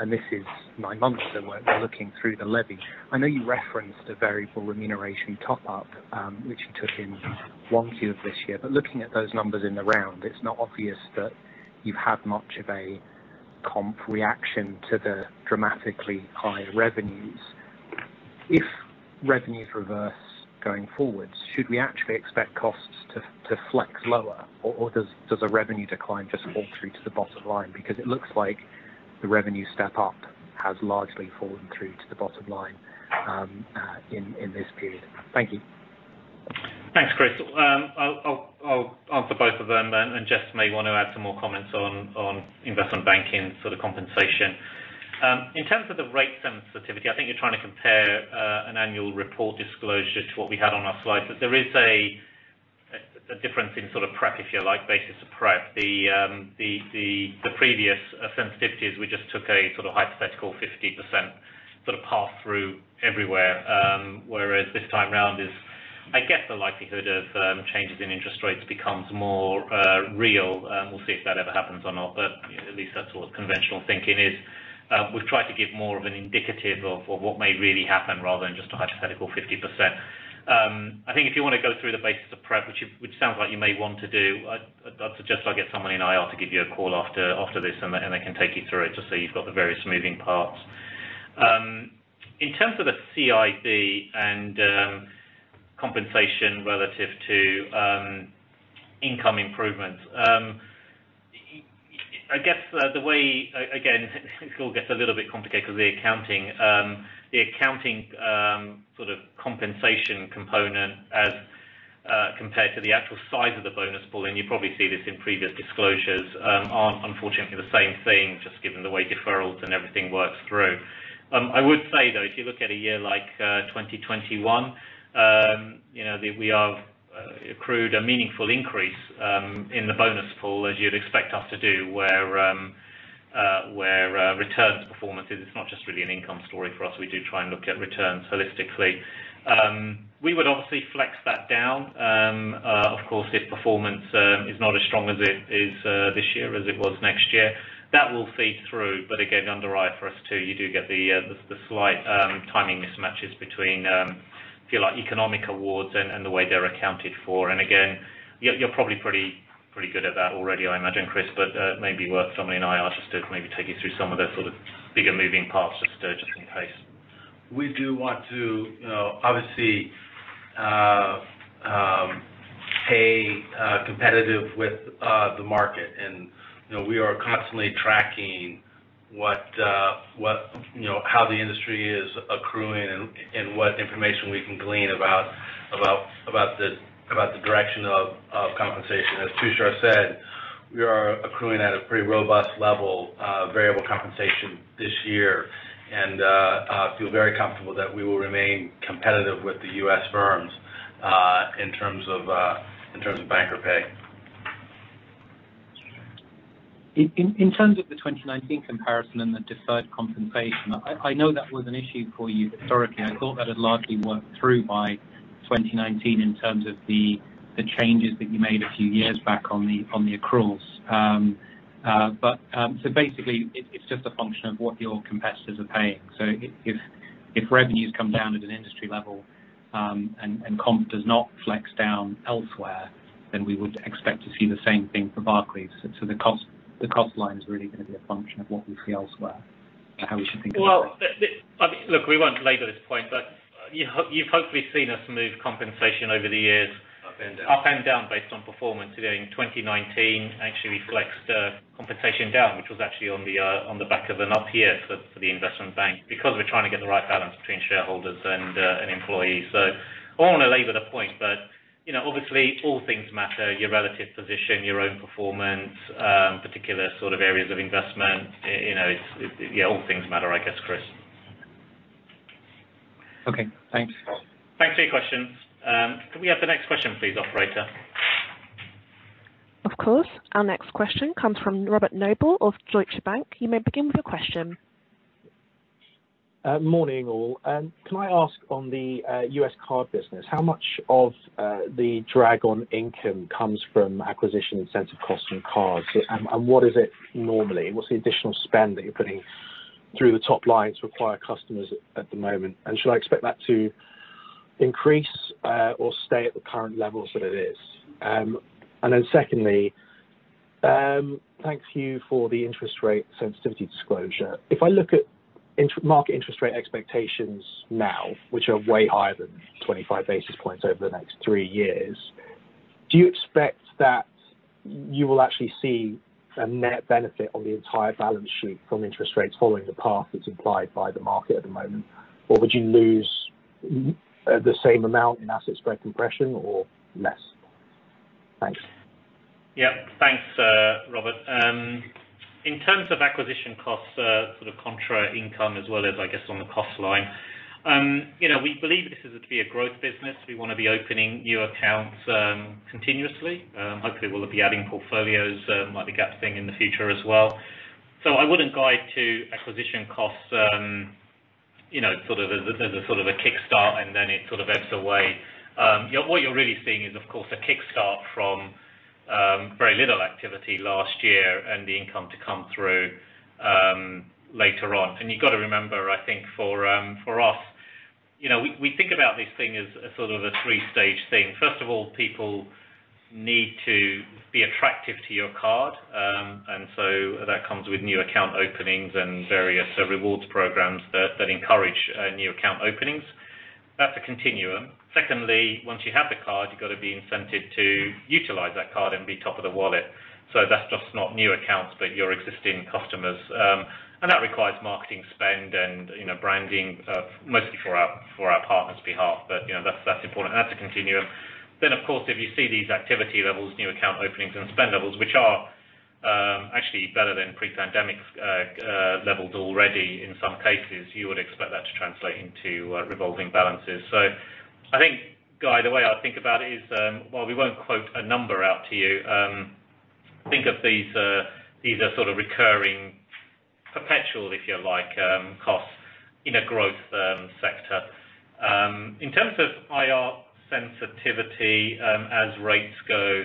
This is nine months, so we're looking through the levy. I know you referenced a variable remuneration top-up, which you took in 1Q of this year. Looking at those numbers in the round, it's not obvious that you have much of a comp reaction to the dramatically higher revenues. If revenues reverse going forward, should we actually expect costs to flex lower, or does a revenue decline just fall through to the bottom line? It looks like the revenue step up has largely fallen through to the bottom line in this period. Thank you. Thanks, Chris. I'll answer both of them. Jes may want to add some more comments on investment banking sort of compensation. In terms of the rate sensitivity, I think you're trying to compare an annual report disclosure to what we had on our slides. There is a difference in sort of prep, if you like, basis of prep. The previous sensitivities, we just took a sort of hypothetical 50% sort of pass through everywhere. Whereas this time around is, I guess the likelihood of changes in interest rates becomes more real. We'll see if that ever happens or not, but at least that's what conventional thinking is. We've tried to give more of an indicative of what may really happen rather than just a hypothetical 50%. I think if you want to go through the basis of prep, which sounds like you may want to do, I'd suggest I'll get somebody in IR to give you a call after this, and they can take you through it just so you've got the various moving parts. In terms of the CIB and compensation relative to income improvements, I guess the way Again, this all gets a little bit complicated because the accounting sort of compensation component as compared to the actual size of the bonus pool, and you probably see this in previous disclosures, aren't unfortunately the same thing, just given the way deferrals and everything works through. I would say, if you look at a year like 2021, we have accrued a meaningful increase in the bonus pool, as you'd expect us to do, where returns performances, it's not just really an income story for us. We do try and look at returns holistically. We would obviously flex that down, of course, if performance is not as strong this year as it was next year. That will feed through. Again, under IFRS 2, you do get the slight timing mismatches between if you like, economic awards and the way they're accounted for. Again, you're probably pretty good at that already, I imagine, Chris. Maybe worth somebody in IR just to maybe take you through some of the sort of bigger moving parts of Jes is in place. We do want to obviously pay competitive with the market. We are constantly tracking how the industry is accruing and what information we can glean about the direction of compensation. As Tushar said, we are accruing at a pretty robust level of variable compensation this year. I feel very comfortable that we will remain competitive with the U.S. firms in terms of banker pay. In terms of the 2019 comparison and the deferred compensation, I know that was an issue for you historically. I thought that had largely worked through by 2019 in terms of the changes that you made a few years back on the accruals. Basically, it's just a function of what your competitors are paying. If revenues come down at an industry level, and comp does not flex down elsewhere, then we would expect to see the same thing for Barclays. The cost line is really going to be a function of what we see elsewhere, how we should think about that. Well, look, we won't labor this point, but you've hopefully seen us move compensation over the years. Up and down. Up and down based on performance. In 2019, actually, we flexed compensation down, which was actually on the back of an up year for the investment bank, because we're trying to get the right balance between shareholders and employees. I don't want to labor the point, but obviously, all things matter, your relative position, your own performance, particular areas of investment. All things matter, I guess, Chris. Okay, thanks. Thanks for your question. Can we have the next question please, operator? Of course. Our next question comes from Robert Noble of Deutsche Bank. You may begin with your question. Morning, all. Can I ask on the U.S. card business, how much of the drag on income comes from acquisition incentive costs and cards, and what is it normally? What's the additional spend that you're putting through the top line to acquire customers at the moment? Should I expect that to increase or stay at the current levels that it is? Secondly, thanks to you for the interest rate sensitivity disclosure. If I look at market interest rate expectations now, which are way higher than 25 basis points over the next three years, do you expect that you will actually see a net benefit on the entire balance sheet from interest rates following the path that's implied by the market at the moment? Would you lose the same amount in asset spread compression or less? Thanks. Thanks, Robert. In terms of acquisition costs, contra income as well as, I guess, on the cost line. We believe this is to be a growth business. We want to be opening new accounts continuously. Hopefully, we'll be adding portfolios, might be gapping in the future as well. I wouldn't guide to acquisition costs as a sort of a kickstart, and then it ebbs away. What you're really seeing is, of course, a kickstart from very little activity last year and the income to come through later on. You've got to remember, I think for us, we think about this thing as a three-stage thing. First of all, people need to be attractive to your card. That comes with new account openings and various rewards programs that encourage new account openings. That's a continuum. Secondly, once you have the card, you got to be incented to utilize that card and be top of the wallet. That's just not new accounts, but your existing customers. That requires marketing spend and branding, mostly for our partner's behalf. That's important. That's a continuum. Of course, if you see these activity levels, new account openings and spend levels, which are actually better than pre-pandemic levels already, in some cases, you would expect that to translate into revolving balances. I think, Guy, the way I think about it is, while we won't quote a number out to you, think of these as recurring, perpetual, if you like, costs in a growth sector. In terms of IR sensitivity, as rates go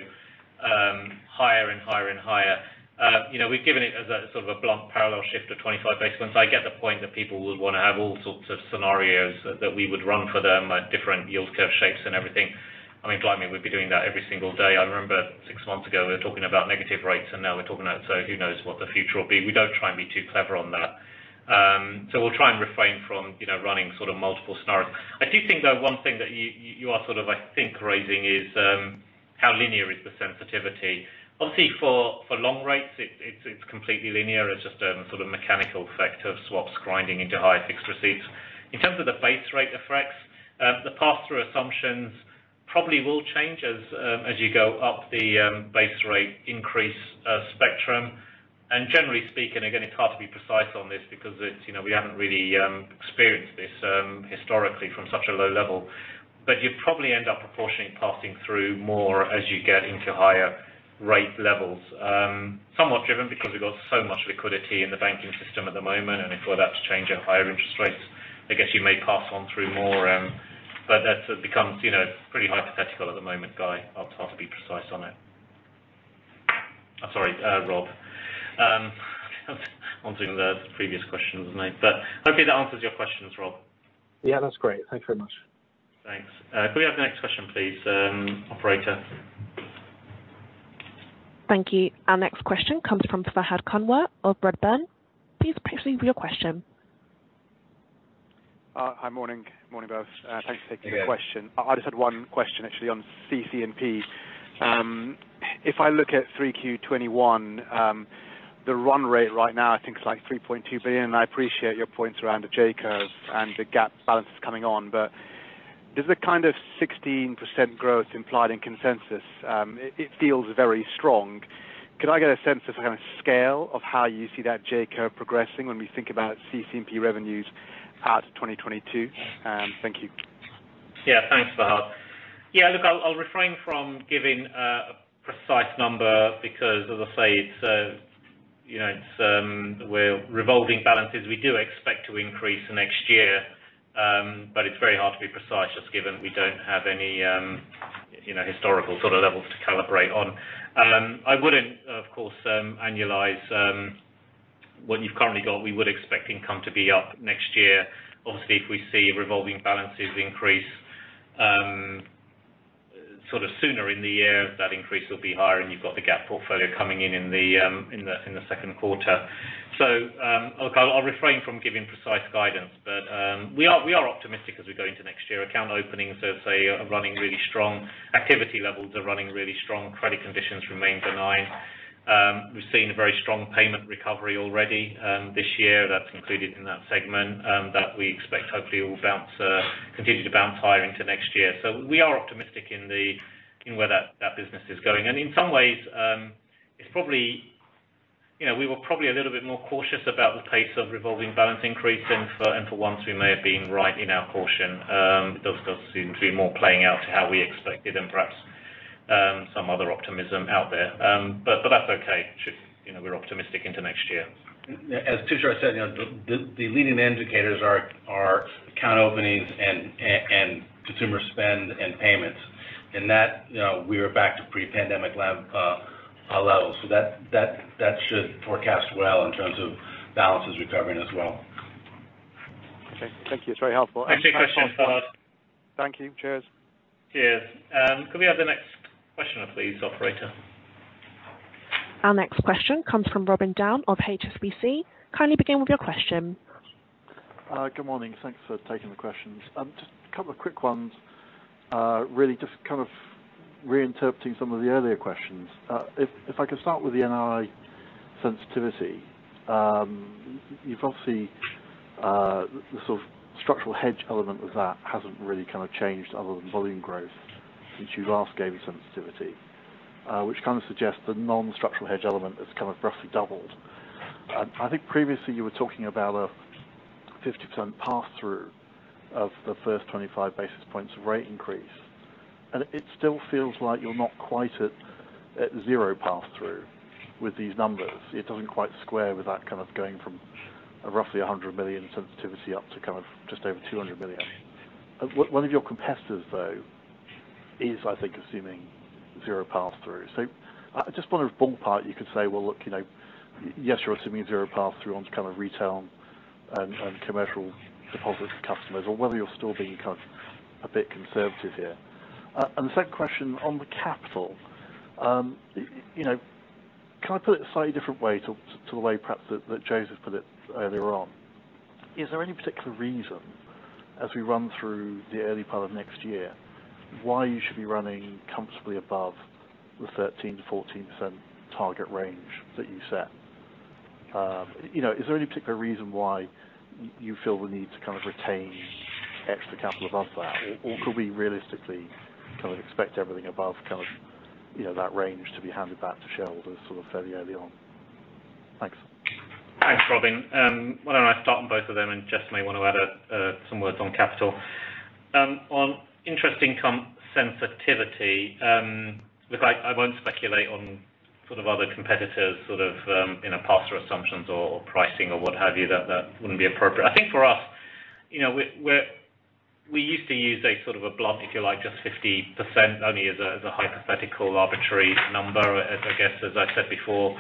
higher and higher and higher, we've given it as a blunt parallel shift of 25 basis points. I get the point that people would want to have all sorts of scenarios that we would run for them at different yield curve shapes and everything. Blimey, we'd be doing that every single day. I remember six months ago, we were talking about negative rates. Now we're talking about So who knows what the future will be. We don't try and be too clever on that. We'll try and refrain from running multiple scenarios. I do think, though, one thing that you are, I think, raising is how linear is the sensitivity. Obviously, for long rates, it's completely linear. It's just a mechanical effect of swaps grinding into higher fixed receipts. In terms of the base rate effects, the pass-through assumptions probably will change as you go up the base rate increase spectrum. Generally speaking, again, it's hard to be precise on this because we haven't really experienced this historically from such a low level. You probably end up proportionally passing through more as you get into higher rate levels. Somewhat driven because we've got so much liquidity in the banking system at the moment, and if all that's change at higher interest rates, I guess you may pass on through more. That becomes pretty hypothetical at the moment, Guy. It's hard to be precise on it. Sorry, Rob. I was answering the previous question, wasn't I? Hopefully that answers your questions, Rob. Yeah, that's great. Thank you very much. Thanks. Could we have the next question, please, operator? Thank you. Our next question comes from Fahed Kunwar of Redburn. Please proceed with your question. Hi. Morning. Morning, both. Thanks for taking the question. Yeah. I just had one question, actually, on CC&P. If I look at 3Q21, the run rate right now, I think it's 3.2 billion. I appreciate your points around the J-curve and the GAAP balances coming on. Does the kind of 16% growth implied in consensus, it feels very strong. Could I get a sense of the kind of scale of how you see that J-curve progressing when we think about CC&P revenues out to 2022? Thank you. Yeah. Thanks, Fahed. Look, I'll refrain from giving a precise number because, as I say, it's revolving balances we do expect to increase next year. It's very hard to be precise, just given we don't have any historical sort of levels to calibrate on. I wouldn't, of course, annualize what you've currently got. We would expect income to be up next year. Obviously, if we see revolving balances increase sort of sooner in the year, that increase will be higher, and you've got the Gap Inc. portfolio coming in the second quarter. I'll refrain from giving precise guidance. We are optimistic as we go into next year. Account openings, as I say, are running really strong. Activity levels are running really strong. Credit conditions remain benign. We've seen a very strong payment recovery already this year, that's included in that segment that we expect hopefully will continue to bounce higher into next year. We are optimistic in where that business is going. In some ways, we were probably a little bit more cautious about the pace of revolving balance increase. For once, we may have been right in our caution. Those seem to be more playing out to how we expected and perhaps some other optimism out there. That's okay. We're optimistic into next year. As Tushar said, the leading indicators are account openings and consumer spend and payments. That, we are back to pre-pandemic levels. That should forecast well in terms of balances recovering as well. Okay. Thank you. It's very helpful. Any questions, Fahed? Thank you. Cheers. Cheers. Could we have the next question, please, operator? Our next question comes from Robin Down of HSBC. Kindly begin with your question. Good morning. Thanks for taking the questions. Just a couple of quick ones. Really just kind of reinterpreting some of the earlier questions. If I could start with the NII sensitivity. You've obviously The sort of structural hedge element of that hasn't really changed other than volume growth since you last gave a sensitivity. Which kind of suggests the non-structural hedge element has kind of roughly doubled. I think previously you were talking about a 50% pass-through of the first 25 basis points rate increase, and it still feels like you're not quite at zero pass-through with these numbers. It doesn't quite square with that kind of going from a roughly 100 million sensitivity up to kind of just over 200 million. One of your competitors, though, is, I think, assuming zero pass-through. I just wonder if, ballpark, you could say, well, look, yes, you're assuming zero pass-through onto kind of retail and commercial deposits customers or whether you're still being kind of a bit conservative here. And the second question on the capital. Can I put it a slightly different way to the way perhaps that Joseph put it earlier on? Is there any particular reason as we run through the early part of next year why you should be running comfortably above the 13%-14% target range that you set? Is there any particular reason why you feel the need to kind of retain extra capital above that? Or could we realistically kind of expect everything above that range to be handed back to shareholders sort of fairly early on? Thanks. Thanks, Robin. Why don't I start on both of them, and Jes may want to add some words on capital. On interest income sensitivity, look, I won't speculate on sort of other competitors' sort of pass or assumptions or pricing or what have you, that wouldn't be appropriate. I think for us, we used to use a sort of a blunt, if you like, just 50% only as a hypothetical arbitrary number, as I guess as I said before.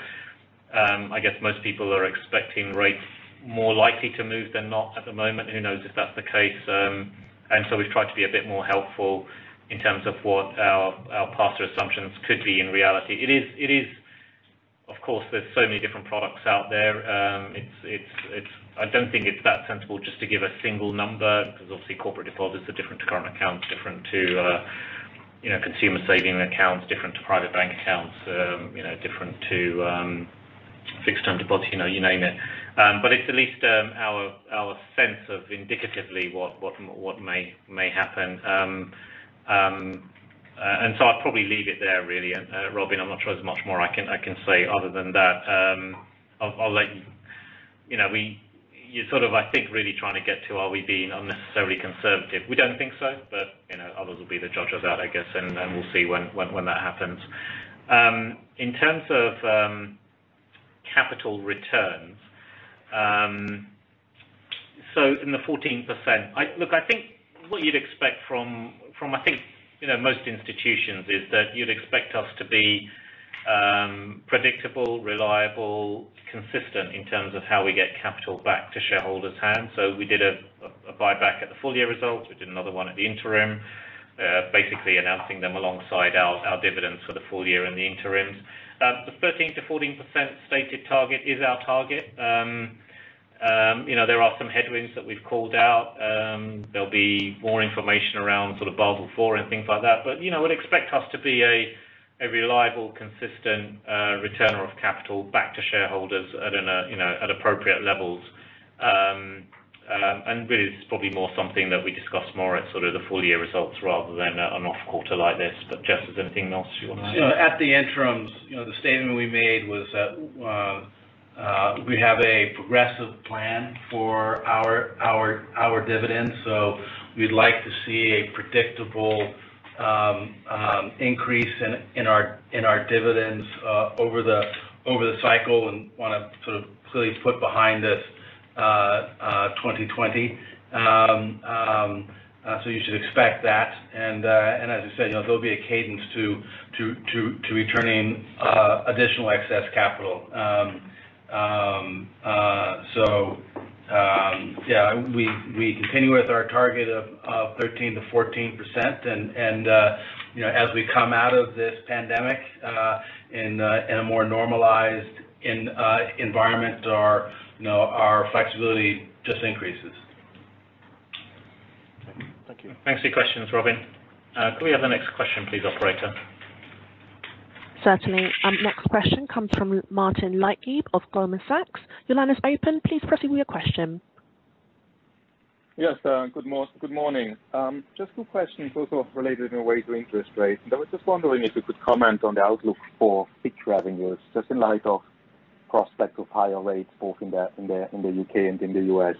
I guess most people are expecting rates more likely to move than not at the moment. Who knows if that's the case. We've tried to be a bit more helpful in terms of what our pass-through assumptions could be in reality. Of course, there's so many different products out there. I don't think it's that sensible just to give a single number because obviously corporate deposits are different to current accounts, different to consumer saving accounts, different to private bank accounts, different to fixed term deposits, you name it. It's at least our sense of indicatively what may happen. I'd probably leave it there, really. Robin, I'm not sure there's much more I can say other than that. You're sort of really trying to get to are we being unnecessarily conservative? We don't think so, but others will be the judge of that, I guess. We'll see when that happens. In terms of capital returns. In the 14%, I think what you'd expect from most institutions is that you'd expect us to be predictable, reliable, consistent in terms of how we get capital back to shareholders' hands. We did a buyback at the full year results. We did another one at the interim. Announcing them alongside our dividends for the full year and the interims. The 13%-14% stated target is our target. There are some headwinds that we've called out. There'll be more information around Basel IV and things like that. Would expect us to be a reliable, consistent returner of capital back to shareholders at appropriate levels. Really, this is probably more something that we discuss more at the full-year results rather than an off quarter like this. Jes, is there anything else you want to add? At the interims, the statement we made was that we have a progressive plan for our dividends. We'd like to see a predictable increase in our dividends over the cycle and want to clearly put behind us 2020. You should expect that. As I said, there'll be a cadence to returning additional excess capital. Yeah, we continue with our target of 13%-14%. As we come out of this pandemic in a more normalized environment, our flexibility just increases. Okay. Thank you. Thanks for your questions, Robin. Could we have the next question please, operator? Certainly. Next question comes from Martin Leitgeb of Goldman Sachs. Your line is open. Please proceed with your question. Yes. Good morning. Just two questions, both related in a way to interest rates. I was just wondering if you could comment on the outlook for fixed revenues, just in light of prospect of higher rates both in the U.K. and in the U.S.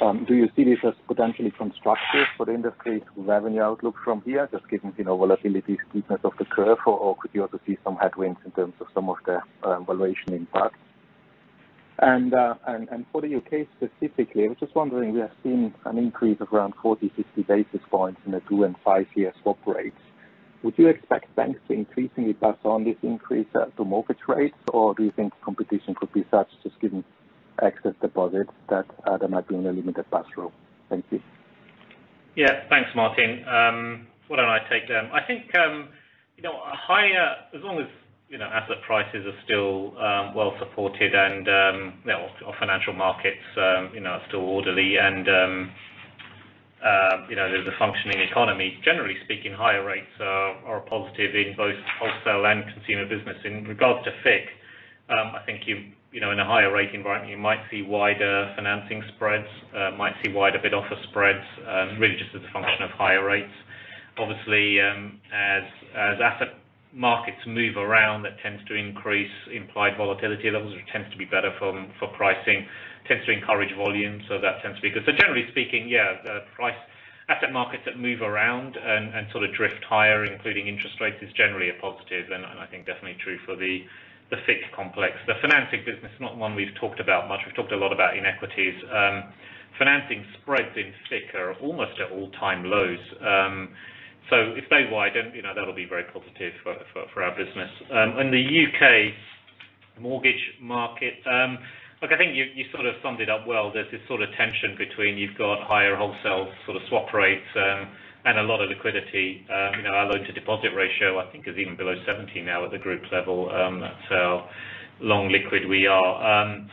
Do you see this as potentially constructive for the industry's revenue outlook from here, just given volatility steepness of the curve, or could you also see some headwinds in terms of some of the valuation impact? For the U.K. specifically, I was just wondering, we are seeing an increase of around 40, 60 basis points in the two and five-year swap rates. Would you expect banks to increasingly pass on this increase to mortgage rates, or do you think competition could be such, just given excess deposits, that there might be a limited pass-through? Thank you. Yeah. Thanks, Martin. Why don't I take that? I think as long as asset prices are still well supported and our financial markets are still orderly and there's a functioning economy, generally speaking, higher rates are a positive in both wholesale and consumer business. In regards to FICC, I think in a higher rate environment, you might see wider financing spreads, might see wider bid-offer spreads, really just as a function of higher rates. Obviously, as asset markets move around, that tends to increase implied volatility levels, which tends to be better for pricing, tends to encourage volume, so that tends to be good. Generally speaking, yeah, asset markets that move around and sort of drift higher, including interest rates, is generally a positive. I think definitely true for the FICC complex. The financing business, not one we've talked about much. We've talked a lot about equities. Financing spreads in FICC are almost at all-time lows. If they widen, that'll be very positive for our business. In the U.K. mortgage market, look, I think you sort of summed it up well. There's this sort of tension between you've got higher wholesale sort of swap rates and a lot of liquidity. Our loan-to-deposit ratio, I think is even below 70 now at the group level. That's how long liquid we are.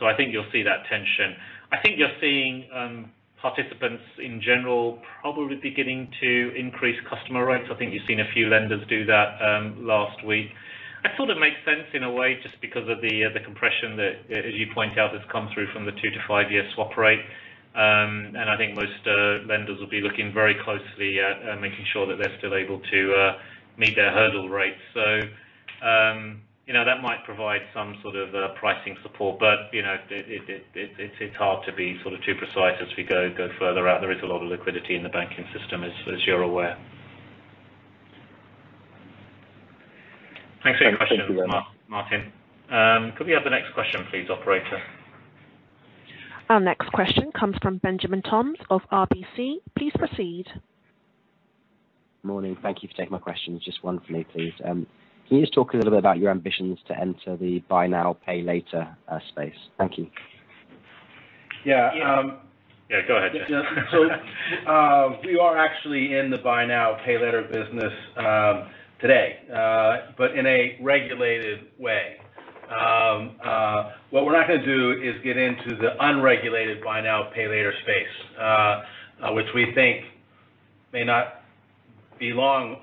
I think you'll see that tension. I think you're seeing participants in general probably beginning to increase customer rates. I think you've seen a few lenders do that last week. That sort of makes sense in a way, just because of the compression that, as you point out, has come through from the two to five-year swap rate. I think most lenders will be looking very closely at making sure that they're still able to meet their hurdle rates. That might provide some sort of pricing support. It's hard to be too precise as we go further out. There is a lot of liquidity in the banking system, as you're aware. Thanks for your question, Martin. Could we have the next question please, operator? Our next question comes from Benjamin Toms of RBC. Please proceed. Morning. Thank you for taking my questions. Just one for me, please. Can you just talk a little bit about your ambitions to enter the buy now, pay later space? Thank you. Yeah. Yeah, go ahead. We are actually in the buy now, pay later business today but in a regulated way. What we're not going to do is get into the unregulated buy now, pay later space, which we think may not be long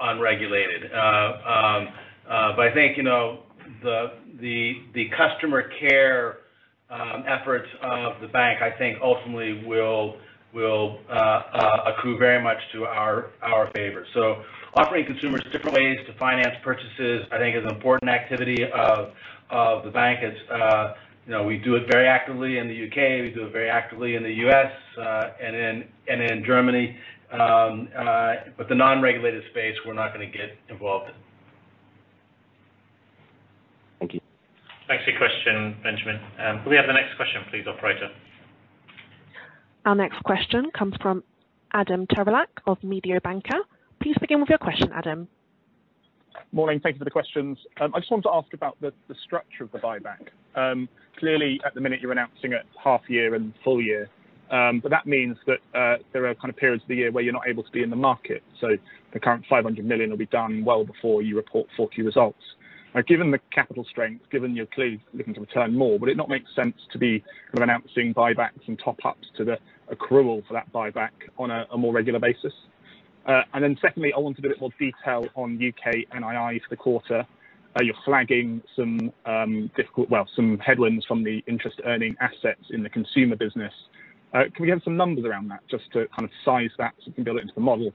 unregulated. I think the customer care efforts of the bank, I think ultimately will accrue very much to our favor. Offering consumers different ways to finance purchases I think is an important activity of the bank. We do it very actively in the U.K. We do it very actively in the U.S. and in Germany. The non-regulated space, we're not going to get involved in. Thank you. Thanks for your question, Benjamin. Could we have the next question please, operator? Our next question comes from Adam Terelak of Mediobanca. Please begin with your question, Adam. Morning. Thank you for the questions. I just wanted to ask about the structure of the buyback. Clearly, at the minute, you're announcing it half year and full year. That means that there are periods of the year where you're not able to be in the market. The current 500 million will be done well before you report 4Q results. Given the capital strength, given you're clearly looking to return more, would it not make sense to be announcing buybacks and top-ups to the accrual for that buyback on a more regular basis? Secondly, I wanted a bit more detail on U.K. NII for the quarter. You're flagging some difficult, some headwinds from the interest-earning assets in the consumer business. Can we have some numbers around that just to size that so we can build it into the model?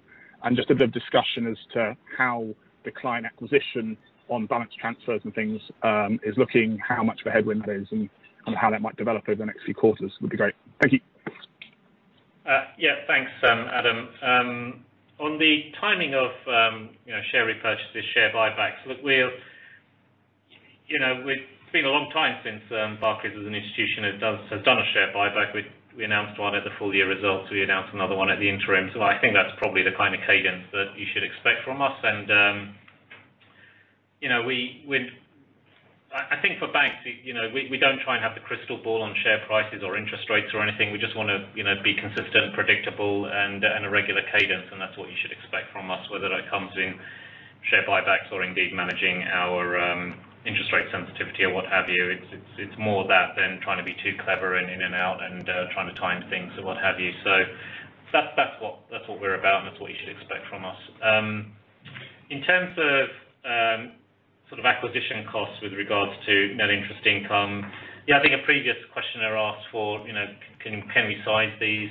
Just a bit of discussion as to how the client acquisition on balance transfers and things is looking, how much of a headwind that is and how that might develop over the next few quarters would be great. Thank you. Yeah. Thanks, Adam. On the timing of share repurchases, share buybacks, look, it's been a long time since Barclays as an institution has done a share buyback. We announced one at the full-year results. We announced another one at the interim. I think that's probably the kind of cadence that you should expect from us. I think for banks, we don't try and have the crystal ball on share prices or interest rates or anything. We just want to be consistent, predictable, and a regular cadence, and that's what you should expect from us, whether that comes in share buybacks or indeed managing our interest rate sensitivity or what have you. It's more that than trying to be too clever and in and out and trying to time things or what have you. That's what we're about, and that's what you should expect from us. In terms of acquisition costs with regards to net interest income, yeah, I think a previous questioner asked for can we size these,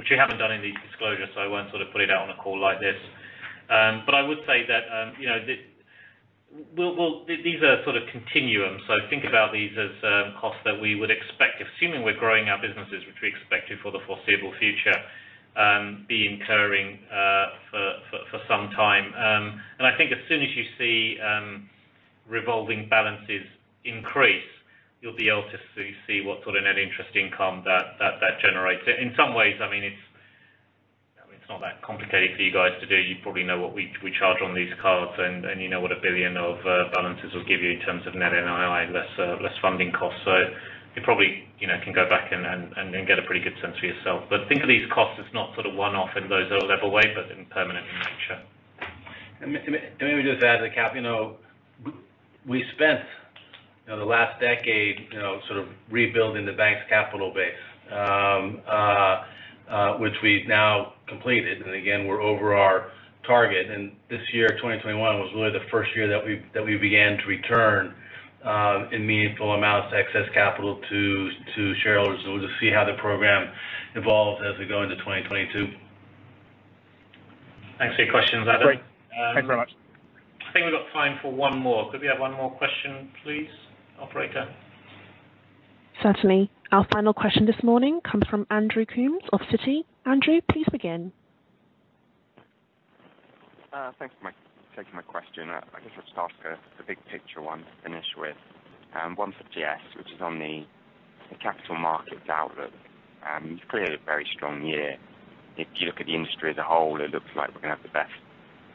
which we haven't done in these disclosures, so I won't put it out on a call like this. I would say that these are continuums. Think about these as costs that we would expect, assuming we're growing our businesses, which we're expecting for the foreseeable future, be incurring for some time. I think as soon as you see revolving balances increase, you'll be able to see what net interest income that generates. In some ways, it's not that complicated for you guys to do. You probably know what we charge on these cards, and you know what 1 billion of balances will give you in terms of net NII and less funding costs. You probably can go back and get a pretty good sense for yourself. Think of these costs as not one-off in those level way, but in permanent in nature. Let me just add, you know, we spent the last decade sort of rebuilding the bank's capital base, which we've now completed. Again, we're over our target. This year, 2021, was really the first year that we began to return in meaningful amounts excess capital to shareholders. We'll just see how the program evolves as we go into 2022. Thanks for your questions, Adam. Great. Thanks very much. I think we've got time for one more. Could we have one more question, please, operator? Certainly. Our final question this morning comes from Andrew Coombs of Citi. Andrew, please begin. Thanks for taking my question. I guess I'll just ask a big picture one to finish with. One for Jes, which is on the capital markets outlook. You've cleared a very strong year. If you look at the industry as a whole, it looks like we're going to have the best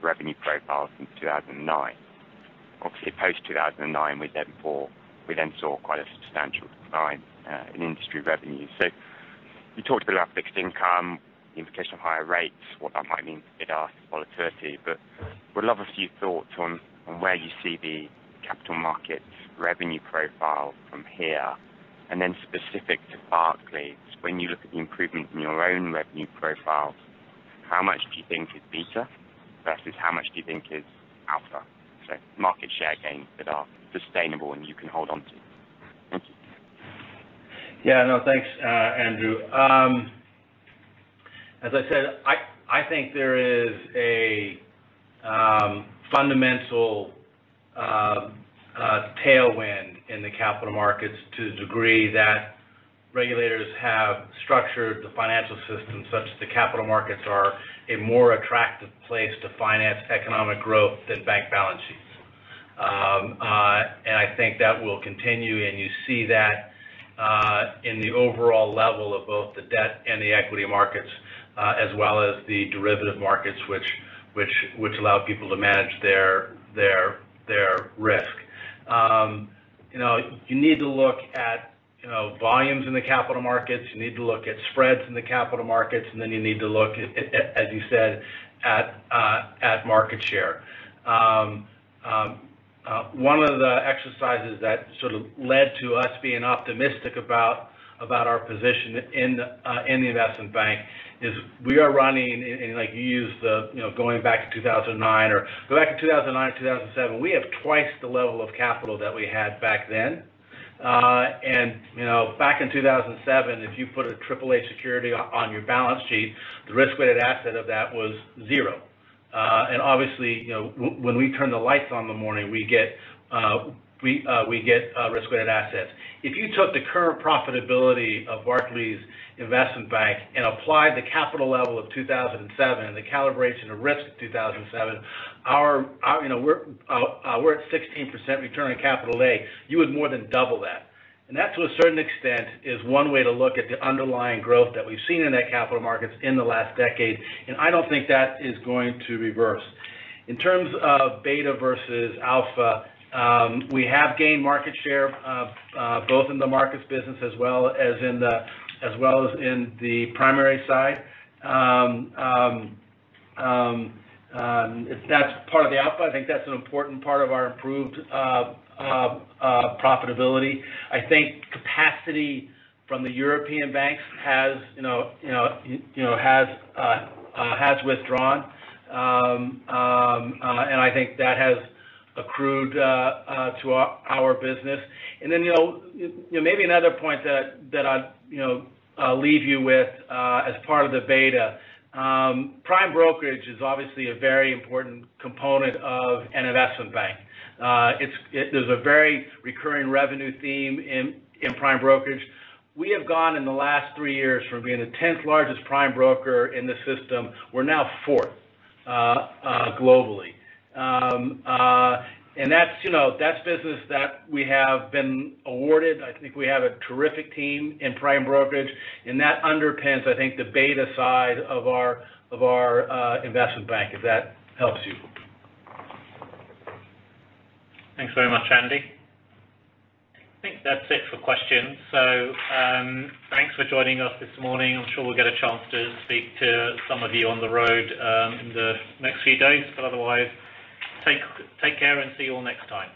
revenue profile since 2009. Post-2009, we then saw quite a substantial decline in industry revenue. You talked a bit about fixed income, the implication of higher rates, what that might mean for mid-office volatility. Would love a few thoughts on where you see the capital markets revenue profile from here, and then specific to Barclays, when you look at the improvement in your own revenue profiles, how much do you think is beta versus how much do you think is alpha? Market share gains that are sustainable and you can hold on to. Thank you. Yeah. No, thanks, Andrew. As I said, I think there is a fundamental tailwind in the capital markets to the degree that regulators have structured the financial system such that the capital markets are a more attractive place to finance economic growth than bank balance sheets. I think that will continue, and you see that in the overall level of both the debt and the equity markets, as well as the derivative markets, which allow people to manage their risk. You need to look at volumes in the capital markets, you need to look at spreads in the capital markets, and then you need to look at, as you said, at market share. One of the exercises that led to us being optimistic about our position in the investment bank is we are running, and you used going back to 2009 or go back to 2009, 2007, we have 2x the level of capital that we had back then. Back in 2007, if you put a triple-A security on your balance sheet, the risk-weighted asset of that was zero. Obviously, when we turn the lights on in the morning, we get risk-weighted assets. If you took the current profitability of Barclays investment bank and applied the capital level of 2007 and the calibration of risk of 2007, we're at 16% return on capital today. You would more than double that. That, to a certain extent, is one way to look at the underlying growth that we've seen in the capital markets in the last decade, and I don't think that is going to reverse. In terms of beta versus alpha, we have gained market share both in the markets business as well as in the primary side. That's part of the alpha. I think that's an important part of our improved profitability. I think capacity from the European banks has withdrawn, and I think that has accrued to our business. Maybe another point that I'll leave you with as part of the beta, prime brokerage is obviously a very important component of an investment bank. There's a very recurring revenue theme in prime brokerage. We have gone in the last three years from being the 10th largest prime broker in the system, we're now fourth globally. That's business that we have been awarded. I think we have a terrific team in prime brokerage, and that underpins, I think, the beta side of our investment bank, if that helps you. Thanks very much, Andy. I think that's it for questions. Thanks for joining us this morning. I'm sure we'll get a chance to speak to some of you on the road in the next few days. Otherwise, take care, and see you all next time.